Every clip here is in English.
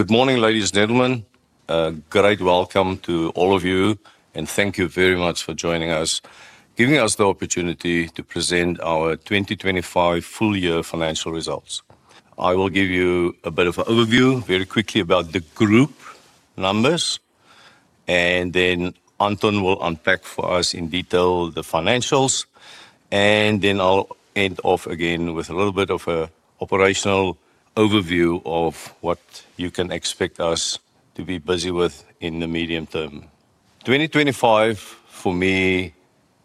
Good morning, ladies and gentlemen. A great welcome to all of you, and thank you very much for joining us, giving us the opportunity to present our 2025 full-year financial results. I will give you a bit of an overview very quickly about the group numbers, and then Anton will unpack for us in detail the financials. I'll end off again with a little bit of an operational overview of what you can expect us to be busy with in the medium term. 2025, for me,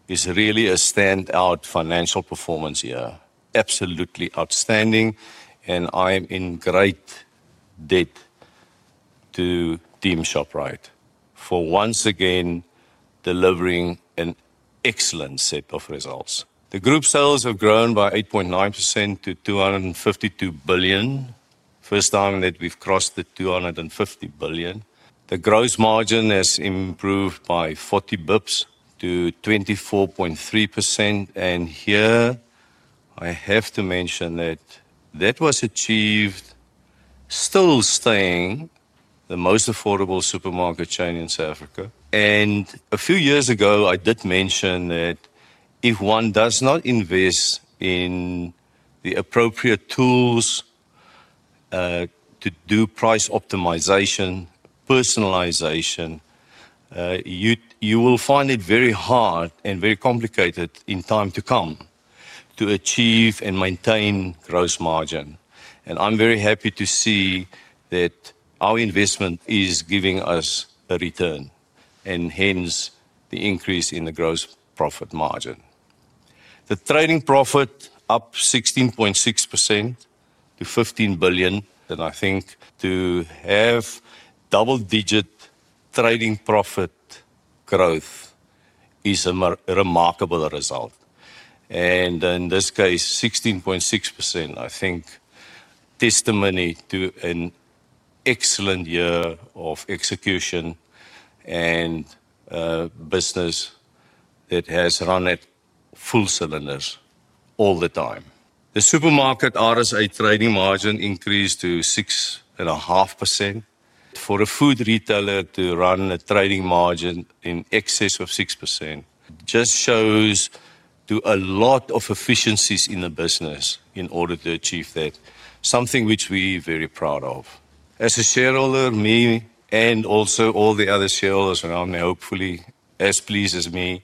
is really a standout financial performance year. Absolutely outstanding, and I'm in great debt to Team Shoprite for once again delivering an excellent set of results. The group sales have grown by 8.9% to 252 billion. First time that we've crossed the 250 billion. The gross margin has improved by 40 bps to 24.3%. I have to mention that that was achieved, still staying the most affordable supermarket chain in South Africa. A few years ago, I did mention that if one does not invest in the appropriate tools to do price optimization, personalization, you will find it very hard and very complicated in time to come to achieve and maintain gross margin. I'm very happy to see that our investment is giving us a return, and hence the increase in the gross profit margin. The trading profit up 16.6% to 15 billion. I think to have double-digit trading profit growth is a remarkable result. In this case, 16.6%, I think, testimony to an excellent year of execution and a business that has run at full cylinders all the time. The supermarket RSI trading margin increased to 6.5%. For a food retailer to run a trading margin in excess of 6% just shows a lot of efficiencies in the business in order to achieve that. Something which we are very proud of. As a shareholder, me, and also all the other shareholders around me, hopefully as pleased as me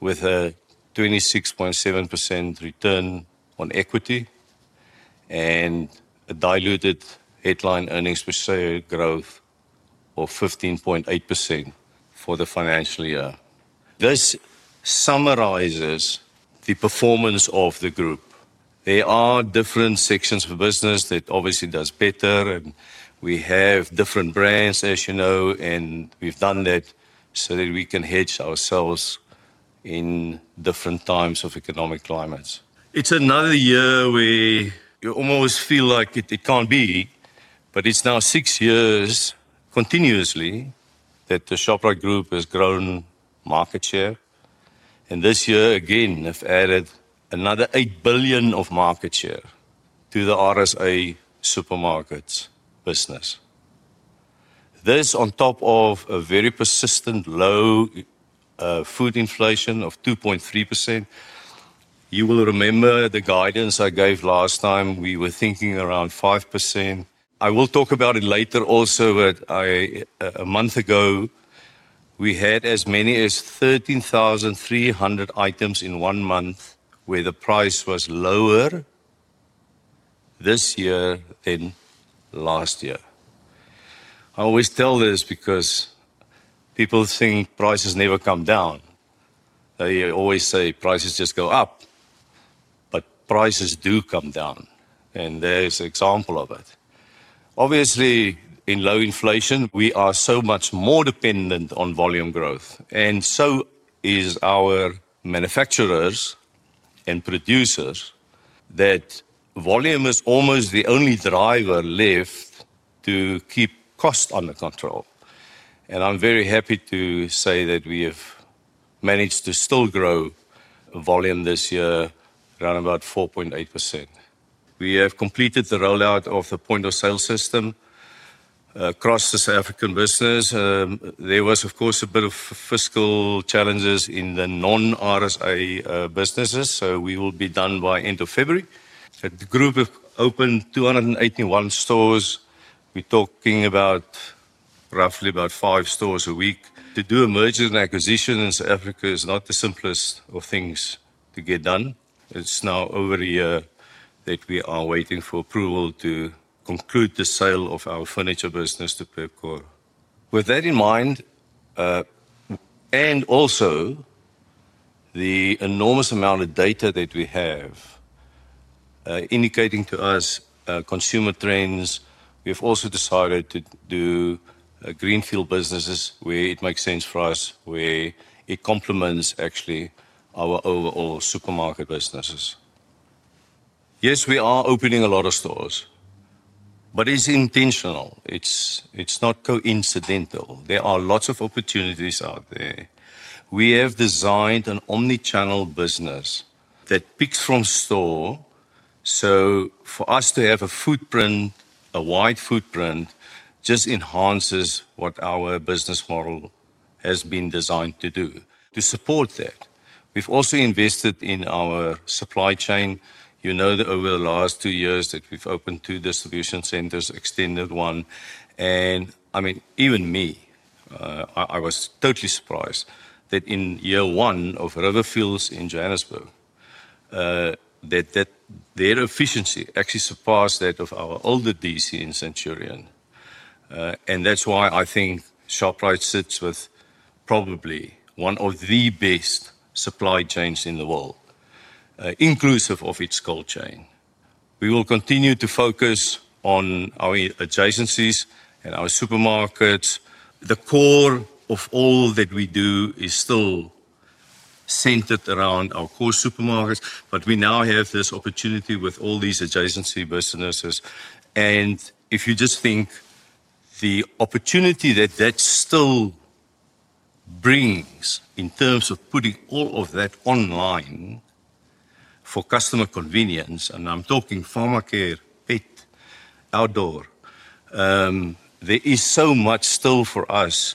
with a 26.7% return on equity and a diluted headline earnings per share growth of 15.8% for the financial year. This summarizes the performance of the group. There are different sections of the business that obviously do better, and we have different brands, as you know, and we've done that so that we can hedge ourselves in different times of economic climates. It's another year where you almost feel like it can't be, but it's now six years continuously that the Shoprite Group has grown market share. This year, again, we've added another 8 billion of market share to the RSI supermarkets business. This on top of a very persistent low food inflation of 2.3%. You will remember the guidance I gave last time. We were thinking around 5%. I will talk about it later also, but a month ago, we had as many as 13,300 items in one month where the price was lower this year than last year. I always tell this because people think prices never come down. They always say prices just go up, but prices do come down. There's an example of it. Obviously, in low inflation, we are so much more dependent on volume growth, and so are our manufacturers and producers that volume is almost the only driver left to keep costs under control. I'm very happy to say that we have managed to still grow volume this year, around about 4.8%. We have completed the rollout of the point-of-sale system across the South African business. There was, of course, a bit of fiscal challenges in the non-RSI businesses, so we will be done by the end of February. The group has opened 281 stores. We're talking about roughly about five stores a week. To do a merger and acquisition in South Africa is not the simplest of things to get done. It's now over a year that we are waiting for approval to conclude the sale of our furniture business to Quebecor. With that in mind, and also the enormous amount of data that we have indicating to us consumer trends, we've also decided to do greenfield businesses where it makes sense for us, where it complements actually our overall supermarket businesses. Yes, we are opening a lot of stores, but it's intentional. It's not coincidental. There are lots of opportunities out there. We have designed an omnichannel business that picks from store. For us to have a footprint, a wide footprint, just enhances what our business model has been designed to do to support that. We've also invested in our supply chain. You know that over the last two years that we've opened two distribution centers, extended one, and I mean, even me, I was totally surprised that in year one of Riverfields in Johannesburg, that their efficiency actually surpassed that of our older DC in Centurion. That's why I think Shoprite sits with probably one of the best supply chains in the world, inclusive of its cold chain. We will continue to focus on our adjacencies and our supermarkets. The core of all that we do is still centered around our core supermarkets, but we now have this opportunity with all these adjacency businesses. If you just think the opportunity that that still brings in terms of putting all of that online for customer convenience, and I'm talking pharmacy, pet, outdoor, there is so much still for us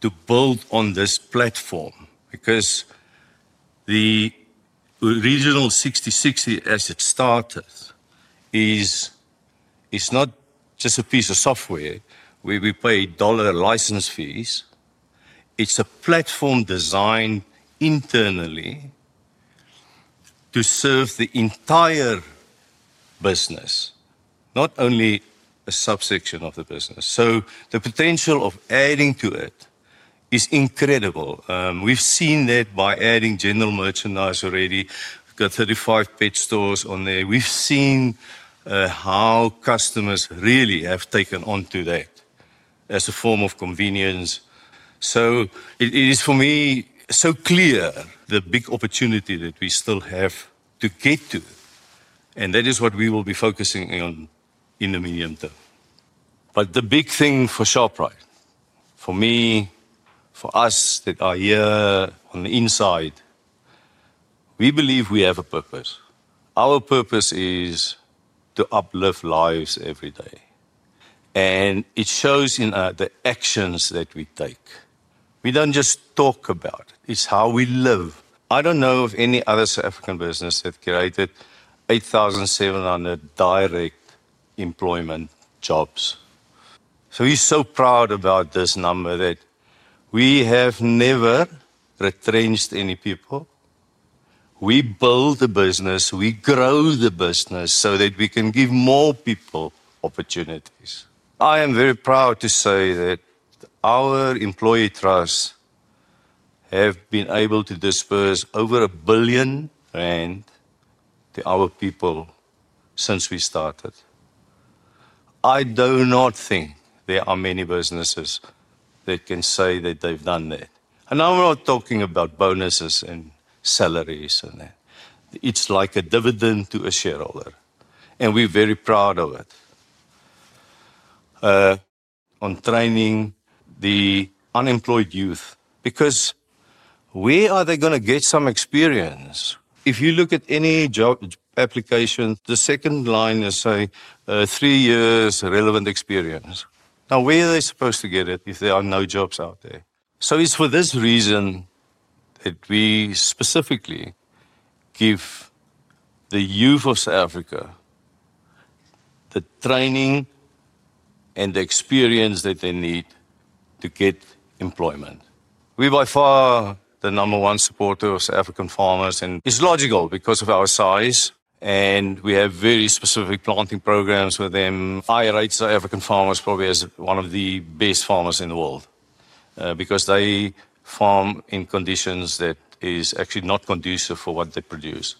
to build on this platform because the regional 60/60 as it started is not just a piece of software where we pay dollar license fees. It is a platform designed internally to serve the entire business, not only a subsection of the business. The potential of adding to it is incredible. We've seen that by adding general merchandise already. We've got 35 pet stores on there. We've seen how customers really have taken onto that as a form of convenience. It is, for me, so clear the big opportunity that we still have to get to. That is what we will be focusing on in the medium term. The big thing for Shoprite, for me, for us that are here on the inside, we believe we have a purpose. Our purpose is to uplift lives every day. It shows in the actions that we take. We don't just talk about it. It's how we live. I don't know of any other South African business that created 8,700 direct employment jobs. We're so proud about this number that we have never retrenched any people. We build the business. We grow the business so that we can give more people opportunities. I am very proud to say that our employee trust has been able to disperse over 1 billion rand to our people since we started. I do not think there are many businesses that can say that they've done that. I'm not talking about bonuses and salaries and that. It's like a dividend to a shareholder. We're very proud of it. On training the unemployed youth, because where are they going to get some experience? If you look at any job application, the second line is saying three years relevant experience. Now, where are they supposed to get it if there are no jobs out there? It is for this reason that we specifically give the youth of South Africa the training and the experience that they need to get employment. We're by far the number one supporter of South African farmers, and it's logical because of our size. We have very specific planting programs with them. I rate South African farmers probably as one of the best farmers in the world because they farm in conditions that are actually not conducive for what they produce.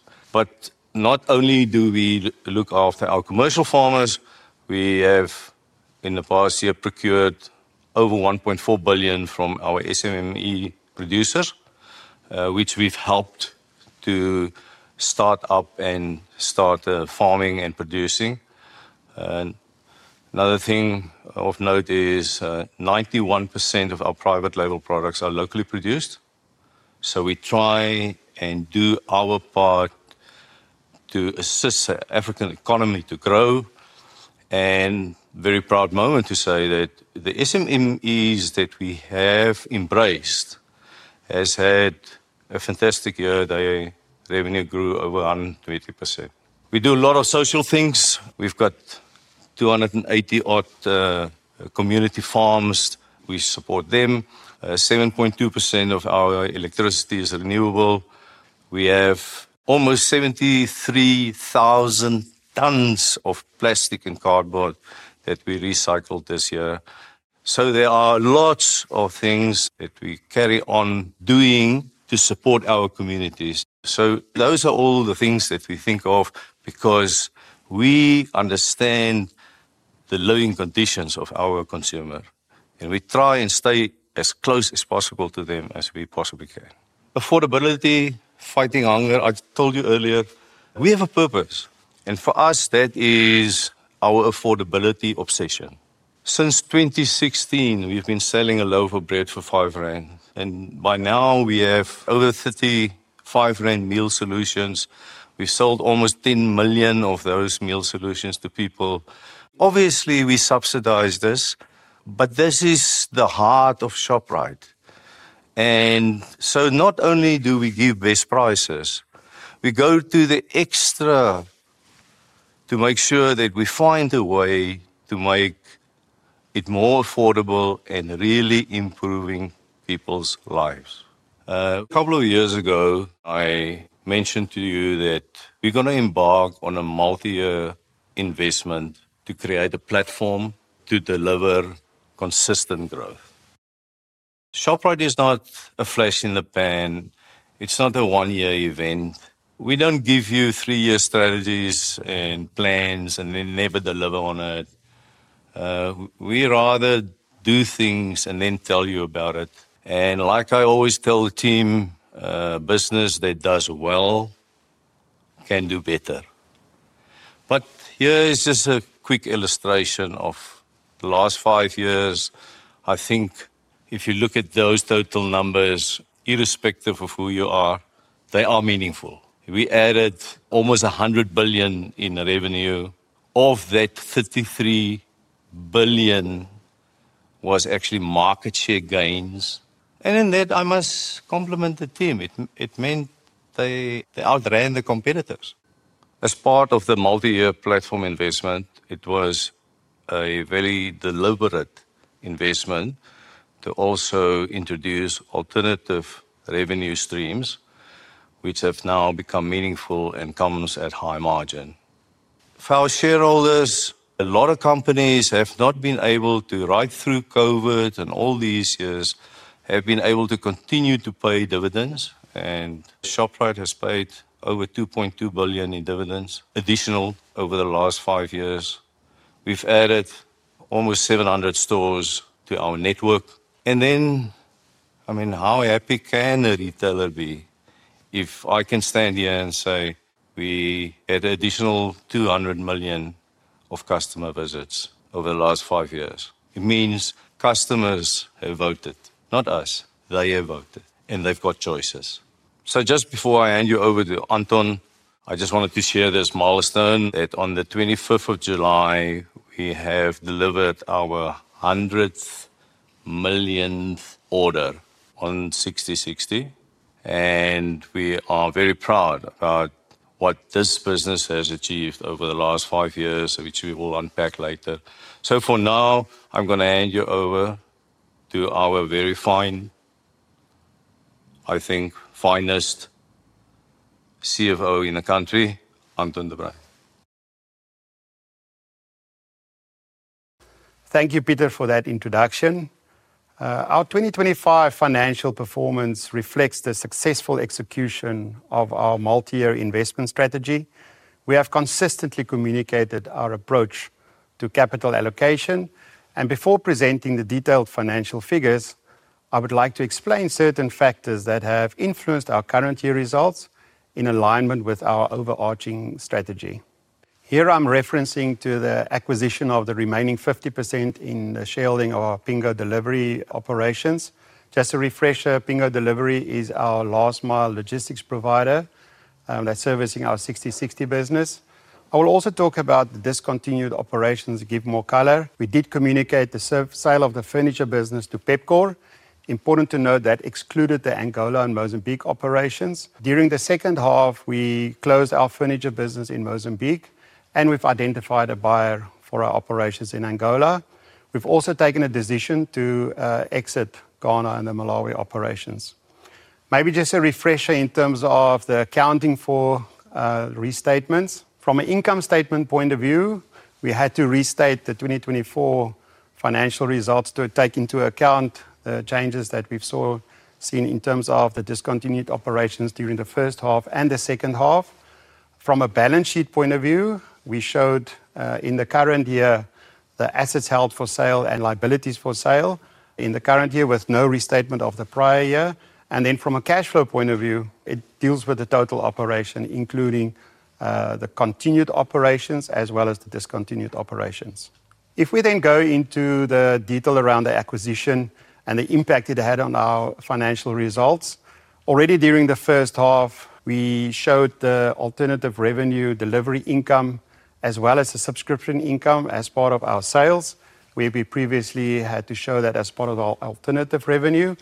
Not only do we look after our commercial farmers, we have in the past year procured over 1.4 billion from our SMME producers, which we've helped to start up and start farming and producing. Another thing of note is 91% of our private label products are locally produced. We try and do our part to assist the African economy to grow. A very proud moment to say that the SMMEs that we have embraced have had a fantastic year. Their revenue grew over 120%. We do a lot of social things. We've got 280-odd community farms. We support them. 7.2% of our electricity is renewable. We have almost 73,000 tons of plastic and cardboard that we recycled this year. There are lots of things that we carry on doing to support our communities. Those are all the things that we think of because we understand the living conditions of our consumers. We try and stay as close as possible to them as we possibly can. Affordability, fighting hunger. I told you earlier, we have a purpose. For us, that is our affordability obsession. Since 2016, we've been selling a loaf of bread for 5 rand. By now, we have over 55 rand meal solutions. We've sold almost 10 million of those meal solutions to people. Obviously, we subsidize this, but this is the heart of Shoprite. Not only do we give best prices, we go to the extra to make sure that we find a way to make it more affordable and really improve people's lives. A couple of years ago, I mentioned to you that we're going to embark on a multi-year investment to create a platform to deliver consistent growth. Shoprite is not a flash in the pan. It's not a one-year event. We don't give you three-year strategies and plans, and then never deliver on it. We rather do things and then tell you about it. Like I always tell the team, a business that does well can do better. Here is just a quick illustration of the last five years. I think if you look at those total numbers, irrespective of who you are, they are meaningful. We added almost 100 billion in revenue. Of that, 23 billion was actually market share gains. In that, I must compliment the team. It meant they outran the competitors. As part of the multi-year platform investment, it was a very deliberate investment to also introduce alternative revenue streams, which have now become meaningful and come at high margin. For our shareholders, a lot of companies have not been able to, right through COVID and all these years, have been able to continue to pay dividends. Shoprite has paid over 2.2 billion in dividends additional over the last five years. We've added almost 700 stores to our network. I mean, how happy can a retailer be if I can stand here and say we had additional 200 million of customer visits over the last five years? It means customers have voted, not us. They have voted, and they've got choices. Just before I hand you over to Anton, I just wanted to share this milestone that on the 25th of July, we have delivered our 100 millionth order on 60/60. We are very proud about what this business has achieved over the last five years, which we will unpack later. For now, I'm going to hand you over to our very fine, I think, finest CFO in the country, Anton de Bruyn. Thank you, Pieter, for that introduction. Our 2025 financial performance reflects the successful execution of our multi-year investment strategy. We have consistently communicated our approach to capital allocation. Before presenting the detailed financial figures, I would like to explain certain factors that have influenced our current year results in alignment with our overarching strategy. Here I'm referencing the acquisition of the remaining 50% in the shareholding of Pingo Delivery operations. Just to refresh you, Pingo Delivery is our last-mile logistics provider that's servicing our 60/60 business. I will also talk about the discontinued operations to give more color. We did communicate the sale of the furniture business to Quebecor. Important to note that excluded the Angola and Mozambique operations. During the second half, we closed our furniture business in Mozambique, and we've identified a buyer for our operations in Angola. We've also taken a decision to exit Ghana and the Malawi operations. Maybe just a refresher in terms of the accounting for restatements. From an income statement point of view, we had to restate the 2024 financial results to take into account the changes that we've seen in terms of the discontinued operations during the first half and the second half. From a balance sheet point of view, we showed in the current year the assets held for sale and liabilities for sale in the current year with no restatement of the prior year. From a cash flow point of view, it deals with the total operation, including the continued operations as well as the discontinued operations. If we then go into the detail around the acquisition and the impact it had on our financial results, already during the first half, we showed the alternative revenue delivery income as well as the subscription income as part of our sales, where we previously had to show that as part of our alternative revenue.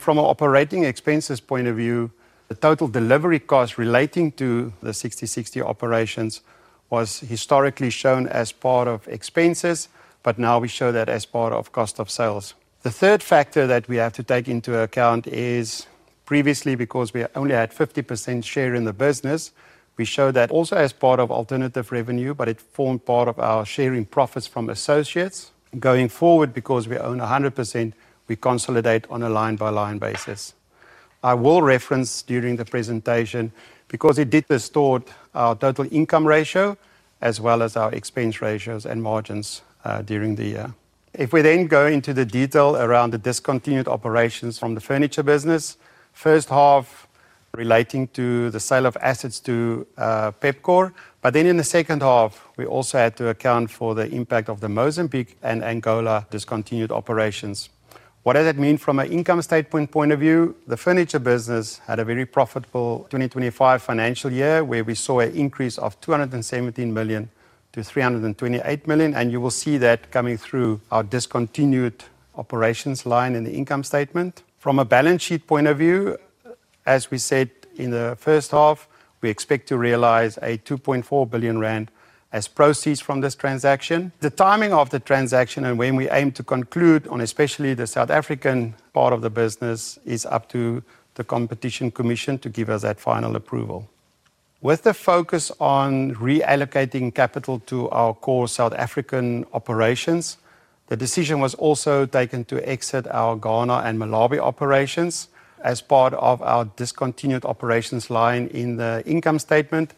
From an operating expenses point of view, the total delivery cost relating to the 60/60 operations was historically shown as part of expenses, but now we show that as part of cost of sales. The third factor that we have to take into account is previously, because we only had 50% share in the business, we showed that also as part of alternative revenue, but it formed part of our sharing profits from associates. Going forward, because we own 100%, we consolidate on a line-by-line basis. I will reference during the presentation because it did distort our total income ratio as well as our expense ratios and margins during the year. If we then go into the detail around the discontinued operations from the furniture business, first half relating to the sale of assets to Quebecor, but then in the second half, we also had to account for the impact of the Mozambique and Angola discontinued operations. What does that mean from an income statement point of view? The furniture business had a very profitable 2025 financial year where we saw an increase of 217 million to 328 million, and you will see that coming through our discontinued operations line in the income statement. From a balance sheet point of view, as we said in the first half, we expect to realize 2.4 billion rand as proceeds from this transaction. The timing of the transaction and when we aim to conclude on especially the South African part of the business is up to the Competition Commission to give us that final approval. With the focus on reallocating capital to our core South African operations, the decision was also taken to exit our Ghana and Malawi operations. As part of our discontinued operations line in the income statement,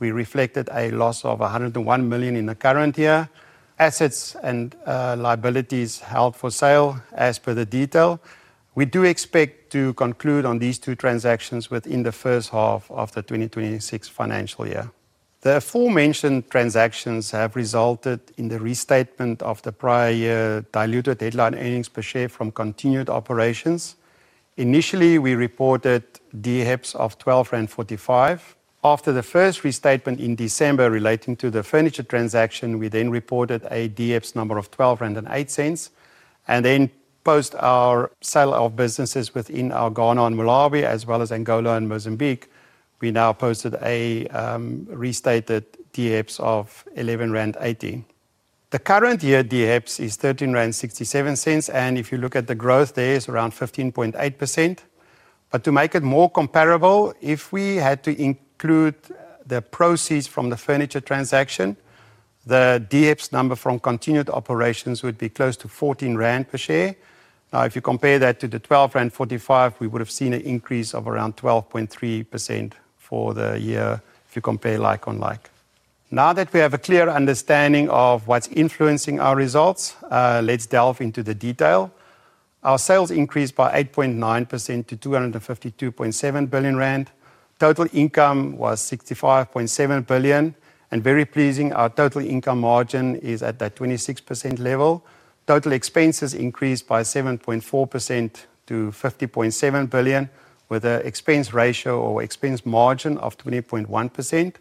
we reflected a loss of 101 million in the current year. Assets and liabilities held for sale as per the detail. We do expect to conclude on these two transactions within the first half of the 2026 financial year. The aforementioned transactions have resulted in the restatement of the prior year diluted headline earnings per share from continued operations. Initially, we reported DHEPS of 12.45 rand. After the first restatement in December relating to the furniture transaction, we then reported a DHEPS number of 12.08 rand. Then post our sale of businesses within our Ghana and Malawi, as well as Angola and Mozambique, we now posted a restated DHEPS of 11.18 rand. The current year DHEPS is 13.67 rand, and if you look at the growth, there is around 15.8%. To make it more comparable, if we had to include the proceeds from the furniture transaction, the DHEPS number from continued operations would be close to 14 rand per share. Now, if you compare that to the 12.45 rand, we would have seen an increase of around 12.3% for the year if you compare like-for-like. Now that we have a clear understanding of what's influencing our results, let's delve into the detail. Our sales increased by 8.9% to 252.7 billion rand. Total income was 65.7 billion. Very pleasing, our total income margin is at that 26% level. Total expenses increased by 7.4% to 50.7 billion with an expense ratio or expense margin of 20.1%.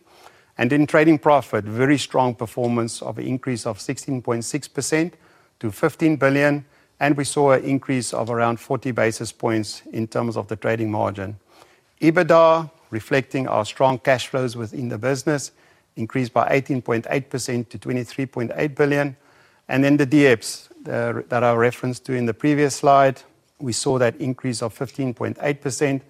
In trading profit, very strong performance of an increase of 16.6% to 15 billion. We saw an increase of around 40 basis points in terms of the trading margin. EBITDA, reflecting our strong cash flows within the business, increased by 18.8% to 23.8 billion. The diluted headline earnings per share (DHEPS) that I referenced to in the previous slide, we saw that increase of 15.8%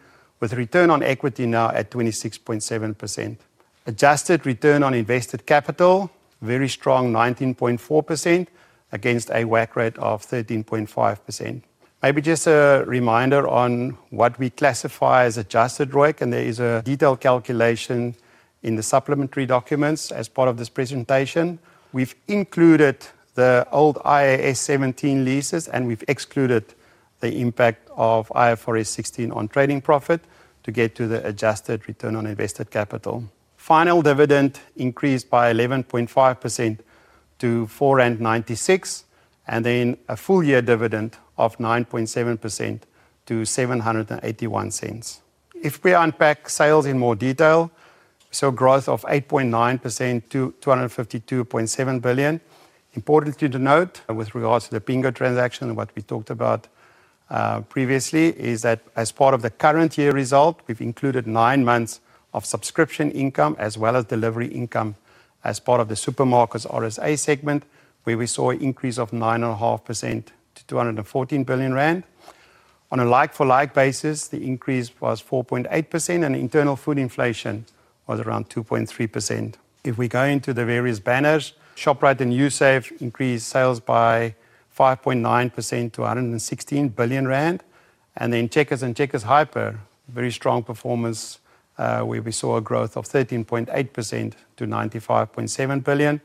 with return on equity now at 26.7%. Adjusted return on invested capital, very strong 19.4% against a WACC rate of 13.5%. Maybe just a reminder on what we classify as adjusted ROIC, and there is a detailed calculation in the supplementary documents as part of this presentation. We've included the old IAS 17 leases, and we've excluded the impact of IFRS 16 on trading profit to get to the adjusted return on invested capital. Final dividend increased by 11.5% to 4.96, and then a full-year dividend of 9.7% to 7.81. If we unpack sales in more detail, we saw growth of 8.9% to 252.7 billion. Important to note with regards to the Pingo Delivery transaction and what we talked about previously is that as part of the current year result, we've included nine months of subscription income as well as delivery income as part of the Supermarkets RSA segment where we saw an increase of 9.5% to 214 billion rand. On a like-for-like basis, the increase was 4.8% and internal food inflation was around 2.3%. If we go into the various banners, Shoprite and Usave increased sales by 5.9% to 116 billion rand. Checkers and Checkers Hyper, very strong performance where we saw a growth of 13.8% to 95.7 billion.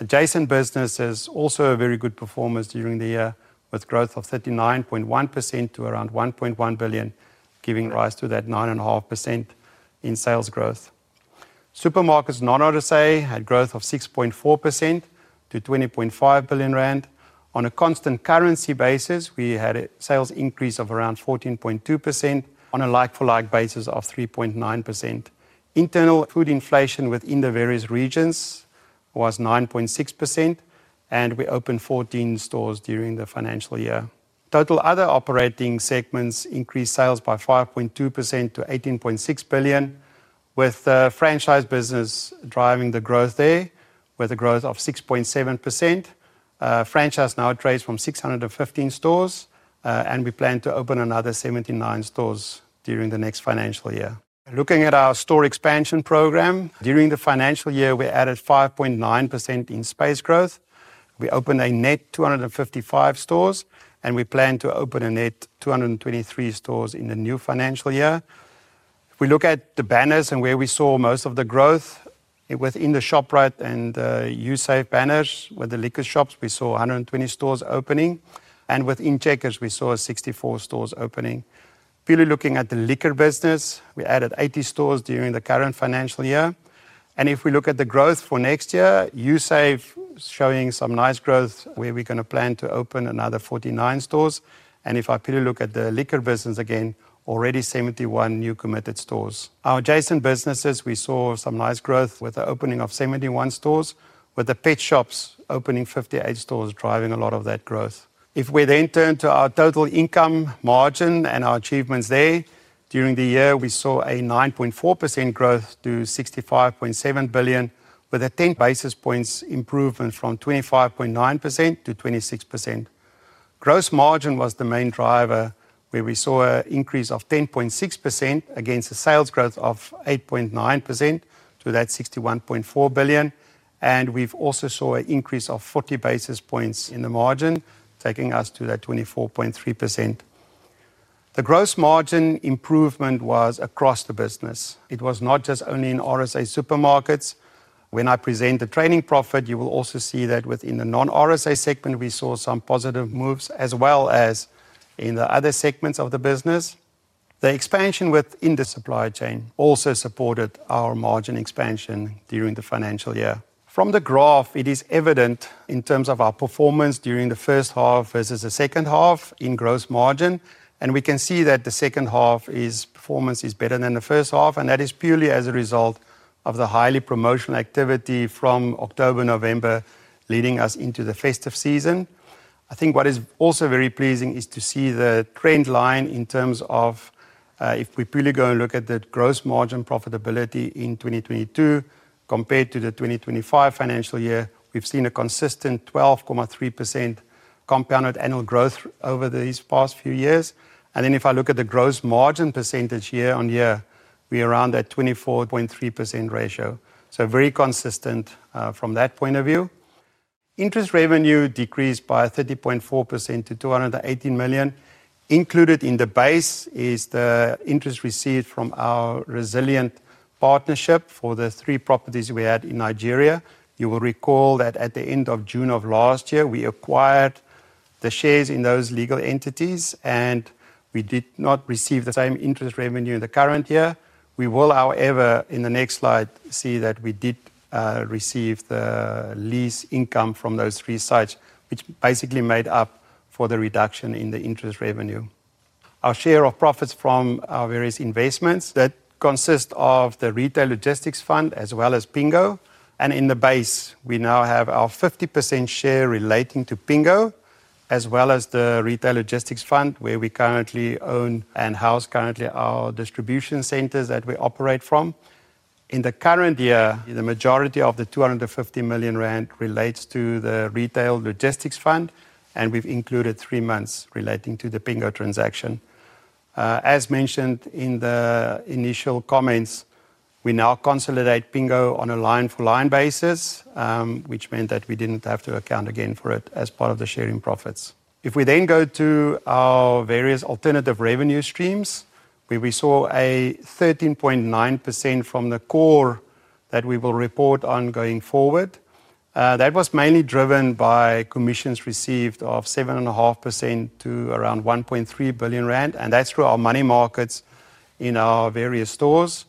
Adjacent businesses also had very good performance during the year with growth of 39.1% to around 1.1 billion, giving rise to that 9.5% in sales growth. Supermarkets Non-RSA had growth of 6.4% to 20.5 billion rand. On a constant currency basis, we had a sales increase of around 14.2% on a like-for-like basis of 3.9%. Internal food inflation within the various regions was 9.6%, and we opened 14 stores during the financial year. Total other operating segments increased sales by 5.2% to 18.6 billion, with the franchise business driving the growth there with a growth of 6.7%. Franchise now trades from 615 stores, and we plan to open another 79 stores during the next financial year. Looking at our store expansion program, during the financial year, we added 5.9% in space growth. We opened a net 255 stores, and we plan to open a net 223 stores in the new financial year. We look at the banners and where we saw most of the growth within the Shoprite and the USAF banners. With the liquor shops, we saw 120 stores opening, and within Checkers, we saw 64 stores opening. Really looking at the liquor business, we added 80 stores during the current financial year. If we look at the growth for next year, USAF is showing some nice growth where we're going to plan to open another 49 stores. If I really look at the liquor business again, already 71 new committed stores. Our adjacent businesses, we saw some nice growth with the opening of 71 stores, with the pet shops opening 58 stores, driving a lot of that growth. If we then turn to our total income margin and our achievements there, during the year, we saw a 9.4% growth to 65.7 billion with a 10 basis points improvement from 25.9% to 26%. Gross margin was the main driver where we saw an increase of 10.6% against a sales growth of 8.9% to that 61.4 billion. We've also shown an increase of 40 basis points in the margin, taking us to that 24.3%. The gross margin improvement was across the business. It was not just only in RSA supermarkets. When I present the trading profit, you will also see that within the non-RSA segment, we saw some positive moves as well as in the other segments of the business. The expansion within the supply chain also supported our margin expansion during the financial year. From the graph, it is evident in terms of our performance during the first half versus the second half in gross margin. We can see that the second half performance is better than the first half, and that is purely as a result of the highly promotional activity from October and November leading us into the festive season. I think what is also very pleasing is to see the trend line in terms of if we really go and look at the gross margin profitability in 2022 compared to the 2025 financial year, we've seen a consistent 12.3% compounded annual growth over these past few years. If I look at the gross margin percentage year on year, we're around that 24.3% ratio. Very consistent from that point of view. Interest revenue decreased by 30.4% to 218 million. Included in the base is the interest received from our resilient partnership for the three properties we had in Nigeria. You will recall that at the end of June of last year, we acquired the shares in those legal entities, and we did not receive the same interest revenue in the current year. We will, however, in the next slide, see that we did receive the lease income from those three sites, which basically made up for the reduction in the interest revenue. Our share of profits from our various investments consists of the retail logistics fund as well as Pingo. In the base, we now have our 50% share relating to Pingo as well as the retail logistics fund where we currently own and house currently our distribution centers that we operate from. In the current year, the majority of the 250 million rand relates to the retail logistics fund, and we've included three months relating to the Pingo transaction. As mentioned in the initial comments, we now consolidate Pingo on a line-for-line basis, which meant that we didn't have to account again for it as part of the sharing profits. If we then go to our various alternative revenue streams, where we saw a 13.9% from the core that we will report on going forward, that was mainly driven by commissions received of 7.5% to around 1.3 billion rand, and that's through our money markets in our various stores.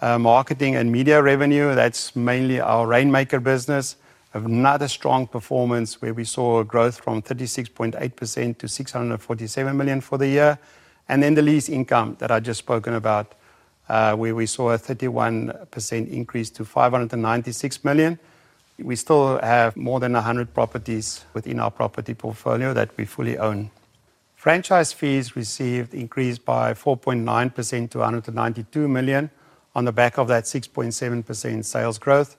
Marketing and media revenue, that's mainly our Rainmaker business, had another strong performance where we saw growth from 36.8% to 647 million for the year. The lease income that I just spoke about, where we saw a 31% increase to 596 million. We still have more than 100 properties within our property portfolio that we fully own. Franchise fees received increased by 4.9% to 192 million on the back of that 6.7% sales growth.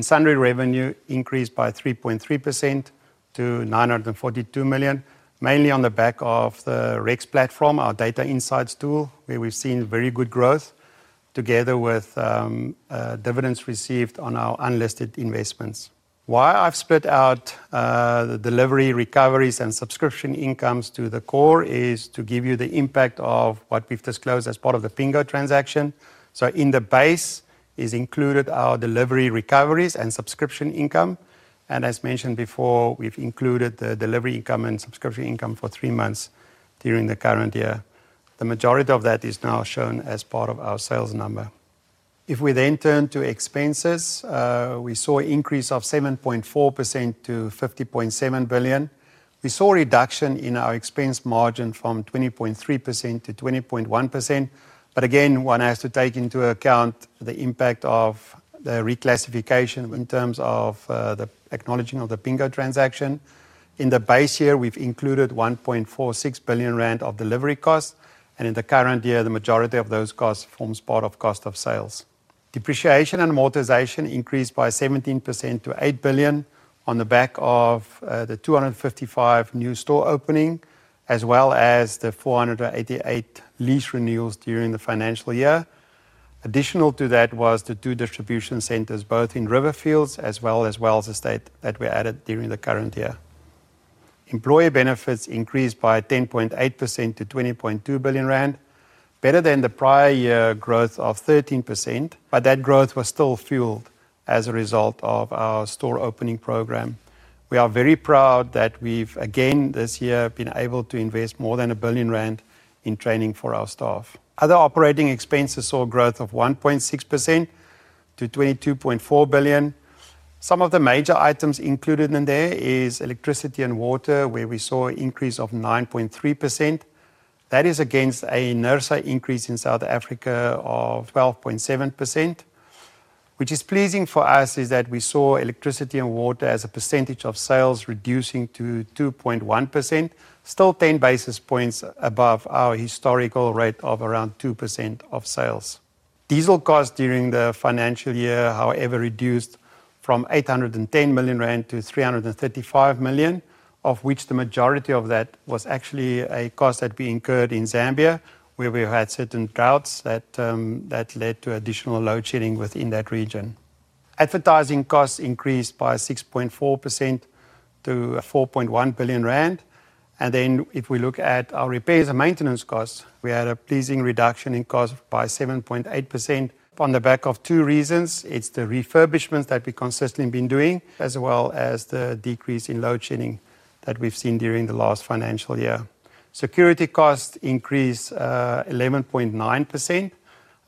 Sundry revenue increased by 3.3% to 942 million, mainly on the back of the REX Insights platform, our data insights tool, where we've seen very good growth together with dividends received on our unlisted investments. Why I've split out the delivery recoveries and subscription incomes to the core is to give you the impact of what we've disclosed as part of the Pingo transaction. In the base is included our delivery recoveries and subscription income. As mentioned before, we've included the delivery income and subscription income for three months during the current year. The majority of that is now shown as part of our sales number. If we then turn to expenses, we saw an increase of 7.4% to 50.7 billion. We saw a reduction in our expense margin from 20.3% to 20.1%. Again, one has to take into account the impact of the reclassification in terms of the acknowledging of the Pingo Delivery transaction. In the base year, we've included 1.46 billion rand of delivery costs, and in the current year, the majority of those costs forms part of cost of sales. Depreciation and amortization increased by 17% to 8 billion on the back of the 255 new store openings, as well as the 488 lease renewals during the financial year. Additional to that was the two distribution centers, both in Riverfields as well as Wells Estate, that were added during the current year. Employee benefits increased by 10.8% to 20.2 billion rand, better than the prior year growth of 13%, but that growth was still fueled as a result of our store opening program. We are very proud that we've, again, this year been able to invest more than 1 billion rand in training for our staff. Other operating expenses saw growth of 1.6% to 22.4 billion. Some of the major items included in there are electricity and water, where we saw an increase of 9.3%. That is against a NERSA increase in South Africa of 12.7%. What is pleasing for us is that we saw electricity and water as a percentage of sales reducing to 2.1%, still 10 basis points above our historical rate of around 2% of sales. Diesel costs during the financial year, however, reduced from 810 million rand to 335 million, of which the majority of that was actually a cost that we incurred in Zambia, where we had certain droughts that led to additional load shedding within that region. Advertising costs increased by 6.4% to 4.1 billion rand, and if we look at our repairs and maintenance costs, we had a pleasing reduction in cost by 7.8% on the back of two reasons. It's the refurbishments that we've consistently been doing, as well as the decrease in load shedding that we've seen during the last financial year. Security costs increased 11.9%,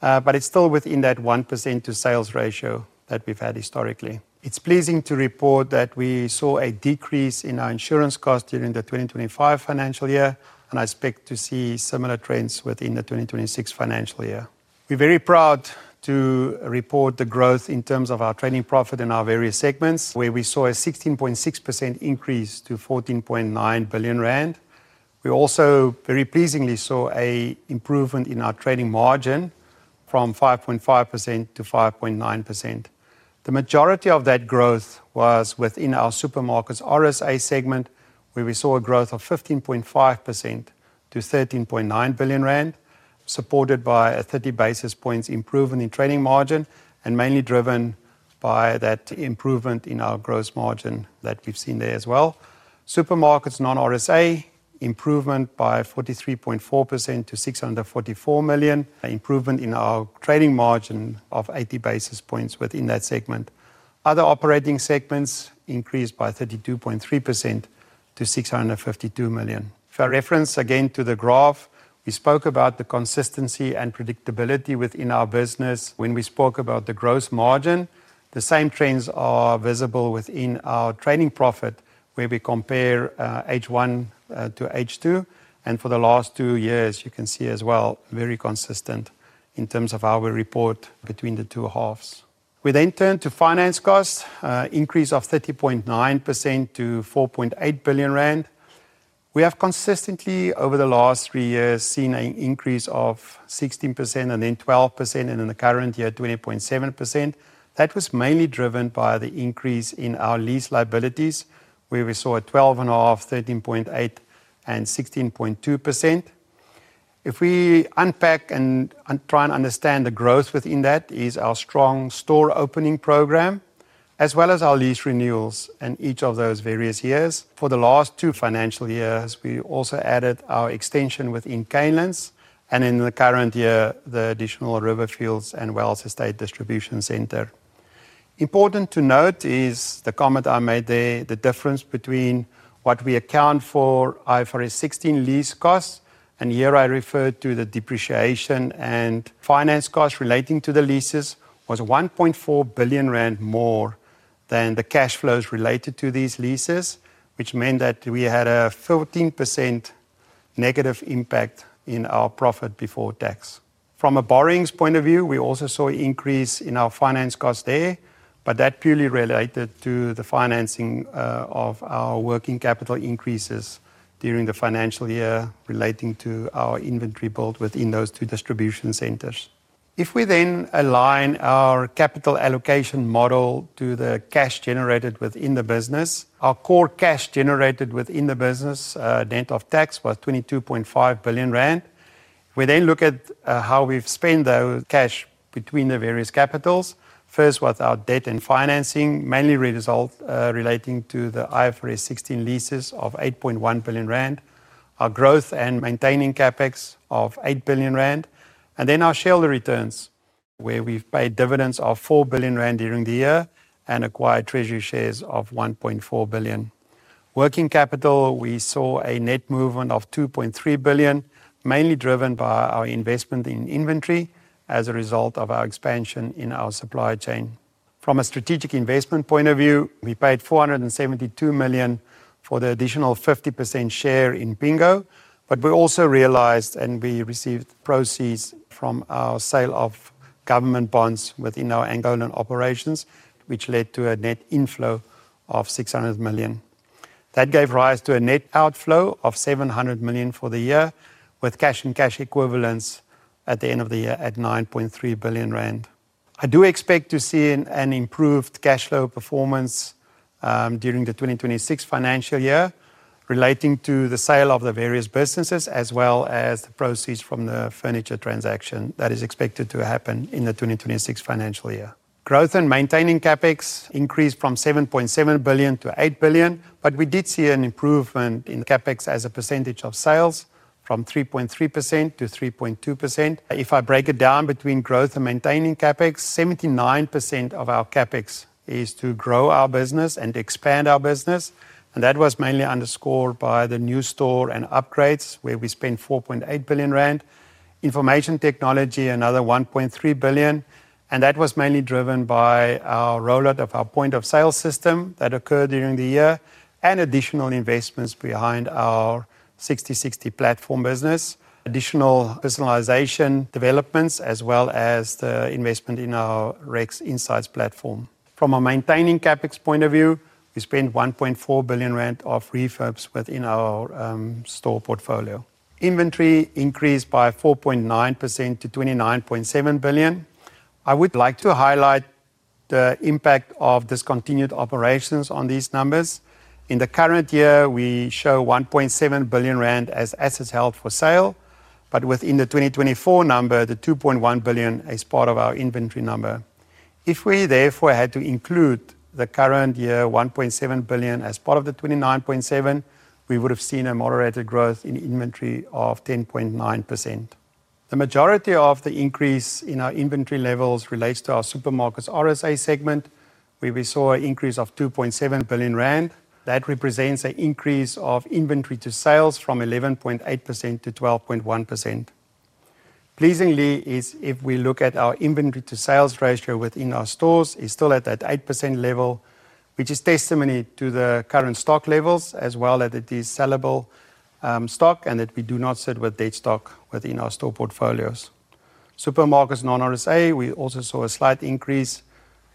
but it's still within that 1% to sales ratio that we've had historically. It's pleasing to report that we saw a decrease in our insurance costs during the 2025 financial year, and I expect to see similar trends within the 2026 financial year. We're very proud to report the growth in terms of our trading profit in our various segments, where we saw a 16.6% increase to 14.9 billion rand. We also very pleasingly saw an improvement in our trading margin from 5.5% to 5.9%. The majority of that growth was within our Supermarkets RSA segment, where we saw a growth of 15.5% to 13.9 billion rand, supported by a 30 basis points improvement in trading margin and mainly driven by that improvement in our gross margin that we've seen there as well. Supermarkets Non-RSA, improvement by 43.4% to 644 million, improvement in our trading margin of 80 basis points within that segment. Other operating segments increased by 32.3% to 652 million. For reference, again, to the graph, we spoke about the consistency and predictability within our business when we spoke about the gross margin. The same trends are visible within our trading profit, where we compare H1 to H2. For the last two years, you can see as well, very consistent in terms of how we report between the two halves. We then turn to finance costs, increase of 30.9% to 4.8 billion rand. We have consistently, over the last three years, seen an increase of 16% and then 12%, and in the current year, 20.7%. That was mainly driven by the increase in our lease liabilities, where we saw a 12.5%, 13.8%, and 16.2%. If we unpack and try and understand the growth within that, it is our strong store opening program, as well as our lease renewals in each of those various years. For the last two financial years, we also added our extension within Caylens, and in the current year, the additional Riverfields and Wells Estate distribution center. Important to note is the comment I made there, the difference between what we account for IFRS 16 lease costs, and here I referred to the depreciation and finance costs relating to the leases, was 1.4 billion rand more than the cash flows related to these leases, which meant that we had a 13% negative impact in our profit before tax. From a borrowings point of view, we also saw an increase in our finance costs there, but that purely related to the financing of our working capital increases during the financial year relating to our inventory build within those two distribution centers. If we then align our capital allocation model to the cash generated within the business, our core cash generated within the business net of tax was 22.5 billion rand. We then look at how we've spent the cash between the various capitals. First was our debt and financing, mainly relating to the IFRS 16 leases of 8.1 billion rand, our growth and maintaining CapEx of 8 billion rand, and then our shareholder returns, where we've paid dividends of 4 billion rand during the year and acquired treasury shares of 1.4 billion. Working capital, we saw a net movement of 2.3 billion, mainly driven by our investment in inventory as a result of our expansion in our supply chain. From a strategic investment point of view, we paid 472 million for the additional 50% share in Pingo, but we also realized and we received proceeds from our sale of government bonds within our Angolan operations, which led to a net inflow of 600 million. That gave rise to a net outflow of 700 million for the year, with cash and cash equivalents at the end of the year at 9.3 billion rand. I do expect to see an improved cash flow performance during the 2026 financial year relating to the sale of the various businesses, as well as the proceeds from the furniture transaction that is expected to happen in the 2026 financial year. Growth and maintaining CapEx increased from 7.7 billion to 8 billion, but we did see an improvement in CapEx as a percentage of sales from 3.3% to 3.2%. If I break it down between growth and maintaining CapEx, 79% of our CapEx is to grow our business and expand our business. That was mainly underscored by the new store and upgrades where we spent 4.8 billion rand. Information technology, another 1.3 billion. That was mainly driven by our rollout of our point-of-sale system that occurred during the year and additional investments behind our 60/60 platform business, additional personalization developments, as well as the investment in our REX Insights platform. From a maintaining CapEx point of view, we spent 1.4 billion rand of refurbs within our store portfolio. Inventory increased by 4.9% to 29.7 billion. I would like to highlight the impact of discontinued operations on these numbers. In the current year, we show 1.7 billion rand as assets held for sale, but within the 2024 number, the 2.1 billion is part of our inventory number. If we therefore had to include the current year 1.7 billion as part of the 29.7 billion, we would have seen a moderated growth in inventory of 10.9%. The majority of the increase in our inventory levels relates to our Supermarkets RSA segment, where we saw an increase of 2.7 billion rand. That represents an increase of inventory to sales from 11.8%-12.1%. Pleasingly, if we look at our inventory to sales ratio within our stores, it's still at that 8% level, which is testimony to the current stock levels, as well as that it is sellable stock and that we do not sit with dead stock within our store portfolios. Supermarkets non-RSA, we also saw a slight increase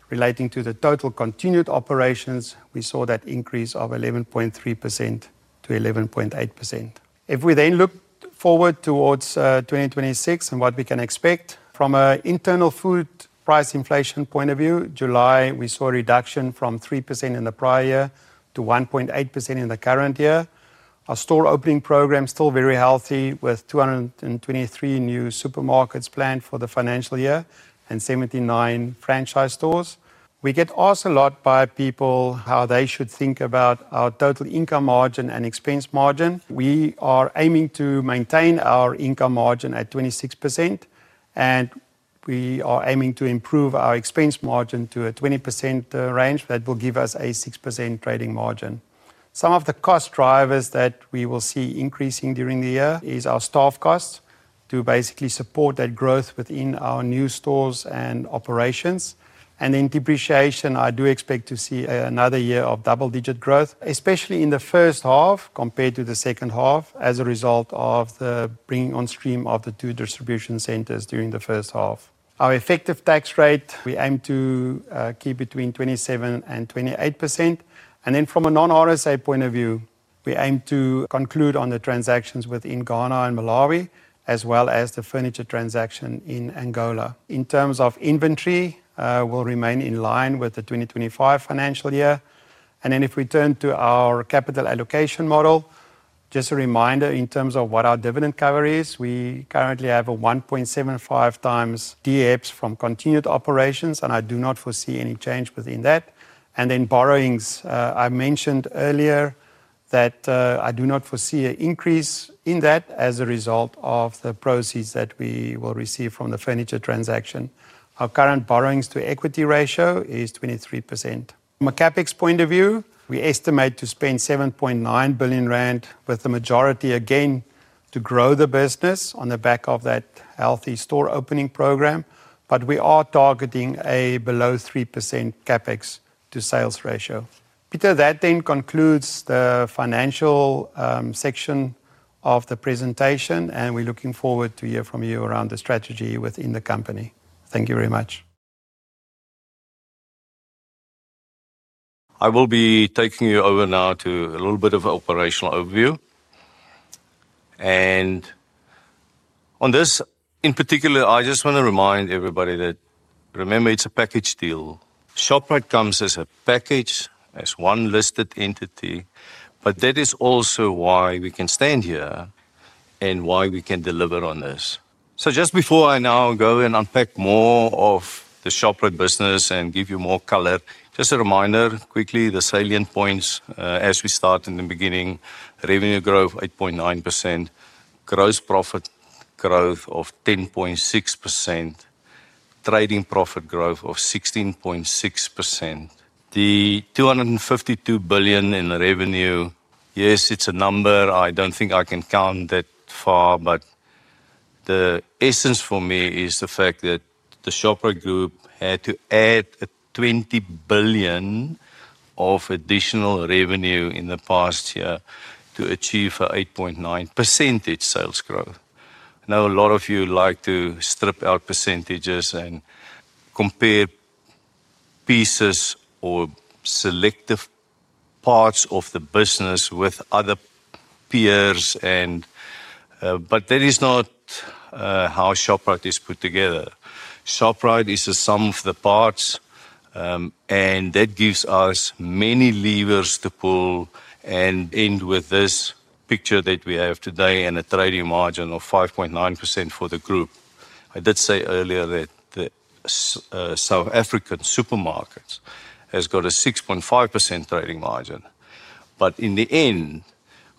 relating to the total continued operations. We saw that increase of 11.3%-11.8%. If we then look forward towards 2026 and what we can expect, from an internal food price inflation point of view, July, we saw a reduction from 3% in the prior year to 1.8% in the current year. Our store opening program is still very healthy with 223 new supermarkets planned for the financial year and 79 franchise stores. We get asked a lot by people how they should think about our total income margin and expense margin. We are aiming to maintain our income margin at 26%, and we are aiming to improve our expense margin to a 20% range that will give us a 6% trading margin. Some of the cost drivers that we will see increasing during the year are our staff costs to basically support that growth within our new stores and operations. I do expect to see another year of double-digit growth, especially in the first half compared to the second half as a result of the bringing on stream of the two distribution centers during the first half. Our effective tax rate, we aim to keep between 27% and 28%. From a non-RSA point of view, we aim to conclude on the transactions within Ghana and Malawi, as well as the furniture transaction in Angola. In terms of inventory, we'll remain in line with the 2025 financial year. If we turn to our capital allocation model, just a reminder in terms of what our dividend cover is, we currently have a 1.75 times DHEPS from continued operations, and I do not foresee any change within that. I mentioned earlier that I do not foresee an increase in borrowings as a result of the proceeds that we will receive from the furniture transaction. Our current borrowings to equity ratio is 23%. From a CapEx point of view, we estimate to spend 7.9 billion rand with the majority again to grow the business on the back of that healthy store opening program, but we are targeting a below 3% CapEx to sales ratio. Pieter, that then concludes the financial section of the presentation, and we're looking forward to hearing from you around the strategy within the company. Thank you very much. I will be taking you over now to a little bit of operational overview. On this in particular, I just want to remind everybody that remember, it's a package deal. Shoprite comes as a package, as one listed entity, but that is also why we can stand here and why we can deliver on this. Just before I now go and unpack more of the Shoprite business and give you more color, just a reminder quickly, the salient points as we start in the beginning: revenue growth 8.9%, gross profit growth of 10.6%, trading profit growth of 16.6%. The 252 billion in revenue, yes, it's a number. I don't think I can count that far, but the essence for me is the fact that the Shoprite Group had to add 20 billion of additional revenue in the past year to achieve a 8.9% sales growth. I know a lot of you like to strip out percentages and compare pieces or selective parts of the business with other peers, but that is not how Shoprite is put together. Shoprite is the sum of the parts, and that gives us many levers to pull and end with this picture that we have today and a trading margin of 5.9% for the group. I did say earlier that the South African supermarket has got a 6.5% trading margin, but in the end,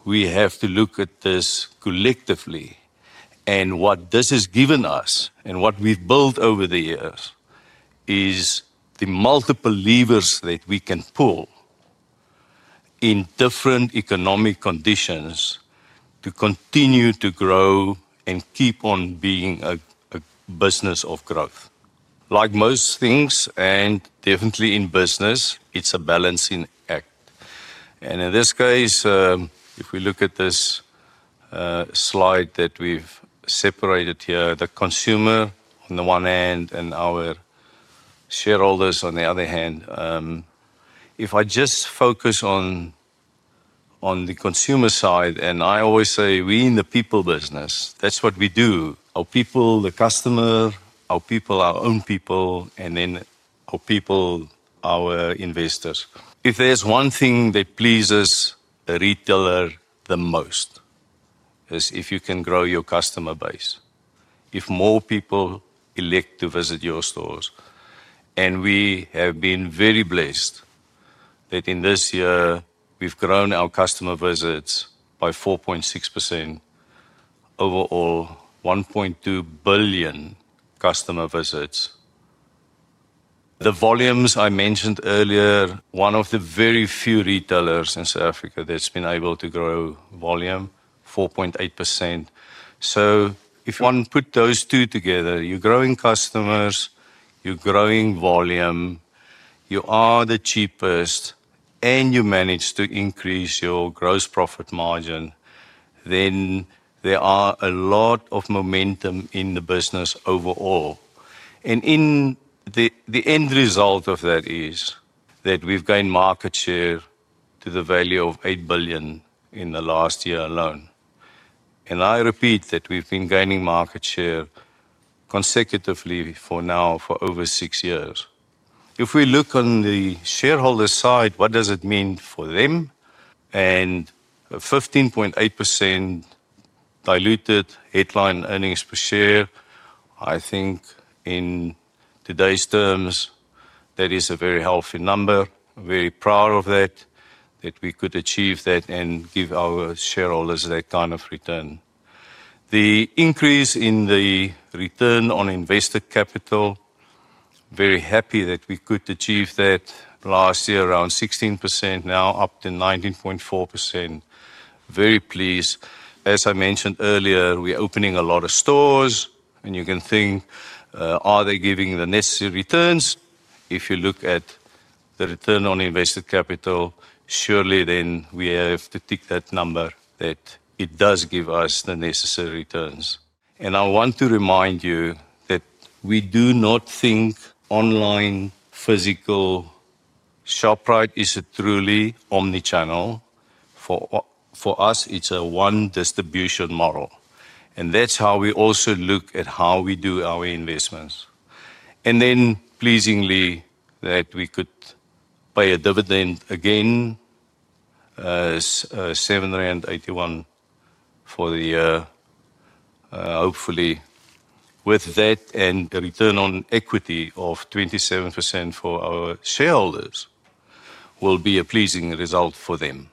we have to look at this collectively. What this has given us and what we've built over the years is the multiple levers that we can pull in different economic conditions to continue to grow and keep on being a business of growth. Like most things, and definitely in business, it's a balancing act. In this case, if we look at this slide that we've separated here, the consumer on the one hand and our shareholders on the other hand, if I just focus on the consumer side, and I always say we in the people business, that's what we do. Our people, the customer, our people, our own people, and then our people, our investors. If there's one thing that pleases a retailer the most, it's if you can grow your customer base. If more people elect to visit your stores, and we have been very blessed that in this year, we've grown our customer visits by 4.6%. Overall, 1.2 billion customer visits. The volumes I mentioned earlier, one of the very few retailers in South Africa that's been able to grow volume, 4.8%. If one put those two together, you're growing customers, you're growing volume, you are the cheapest, and you manage to increase your gross profit margin, then there are a lot of momentum in the business overall. The end result of that is that we've gained market share to the value of 8 billion in the last year alone. I repeat that we've been gaining market share consecutively for now for over six years. If we look on the shareholder side, what does it mean for them? A 15.8% diluted headline earnings per share, I think in today's terms, that is a very healthy number. I'm very proud of that, that we could achieve that and give our shareholders that kind of return. The increase in the return on invested capital, I'm very happy that we could achieve that last year around 16%, now up to 19.4%. I'm very pleased. As I mentioned earlier, we're opening a lot of stores, and you can think, are they giving the necessary returns? If you look at the return on invested capital, surely then we have to tick that number that it does give us the necessary returns. I want to remind you that we do not think online physical Shoprite is a truly omnichannel. For us, it's a one distribution model. That's how we also look at how we do our investments. Pleasingly, we could pay a dividend again as 7.81 for the year. Hopefully, with that and the return on equity of 27% for our shareholders, it will be a pleasing result for them.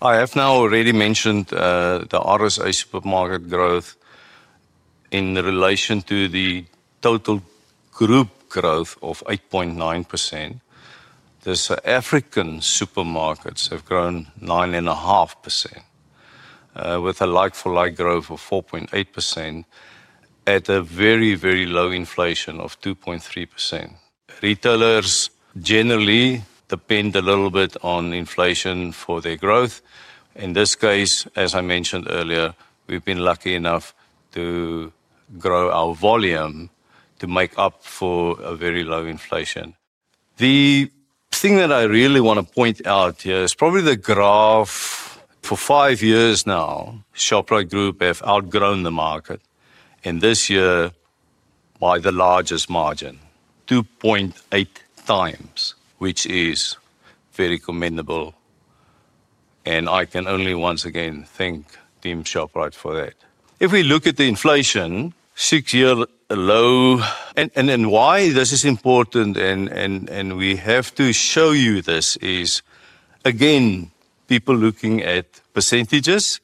I have now already mentioned the RSA supermarket growth in relation to the total group growth of 8.9%. The South African supermarkets have grown 9.5% with a like-for-like growth of 4.8% at a very, very low inflation of 2.3%. Retailers generally depend a little bit on inflation for their growth. In this case, as I mentioned earlier, we've been lucky enough to grow our volume to make up for a very low inflation. The thing that I really want to point out here is probably the graph. For five years now, Shoprite Group has outgrown the market. This year, by the largest margin, 2.8 times, which is very commendable. I can only once again thank Team Shoprite for that. If we look at the inflation, six-year low, and then why this is important, we have to show you this. Again, people looking at percentages,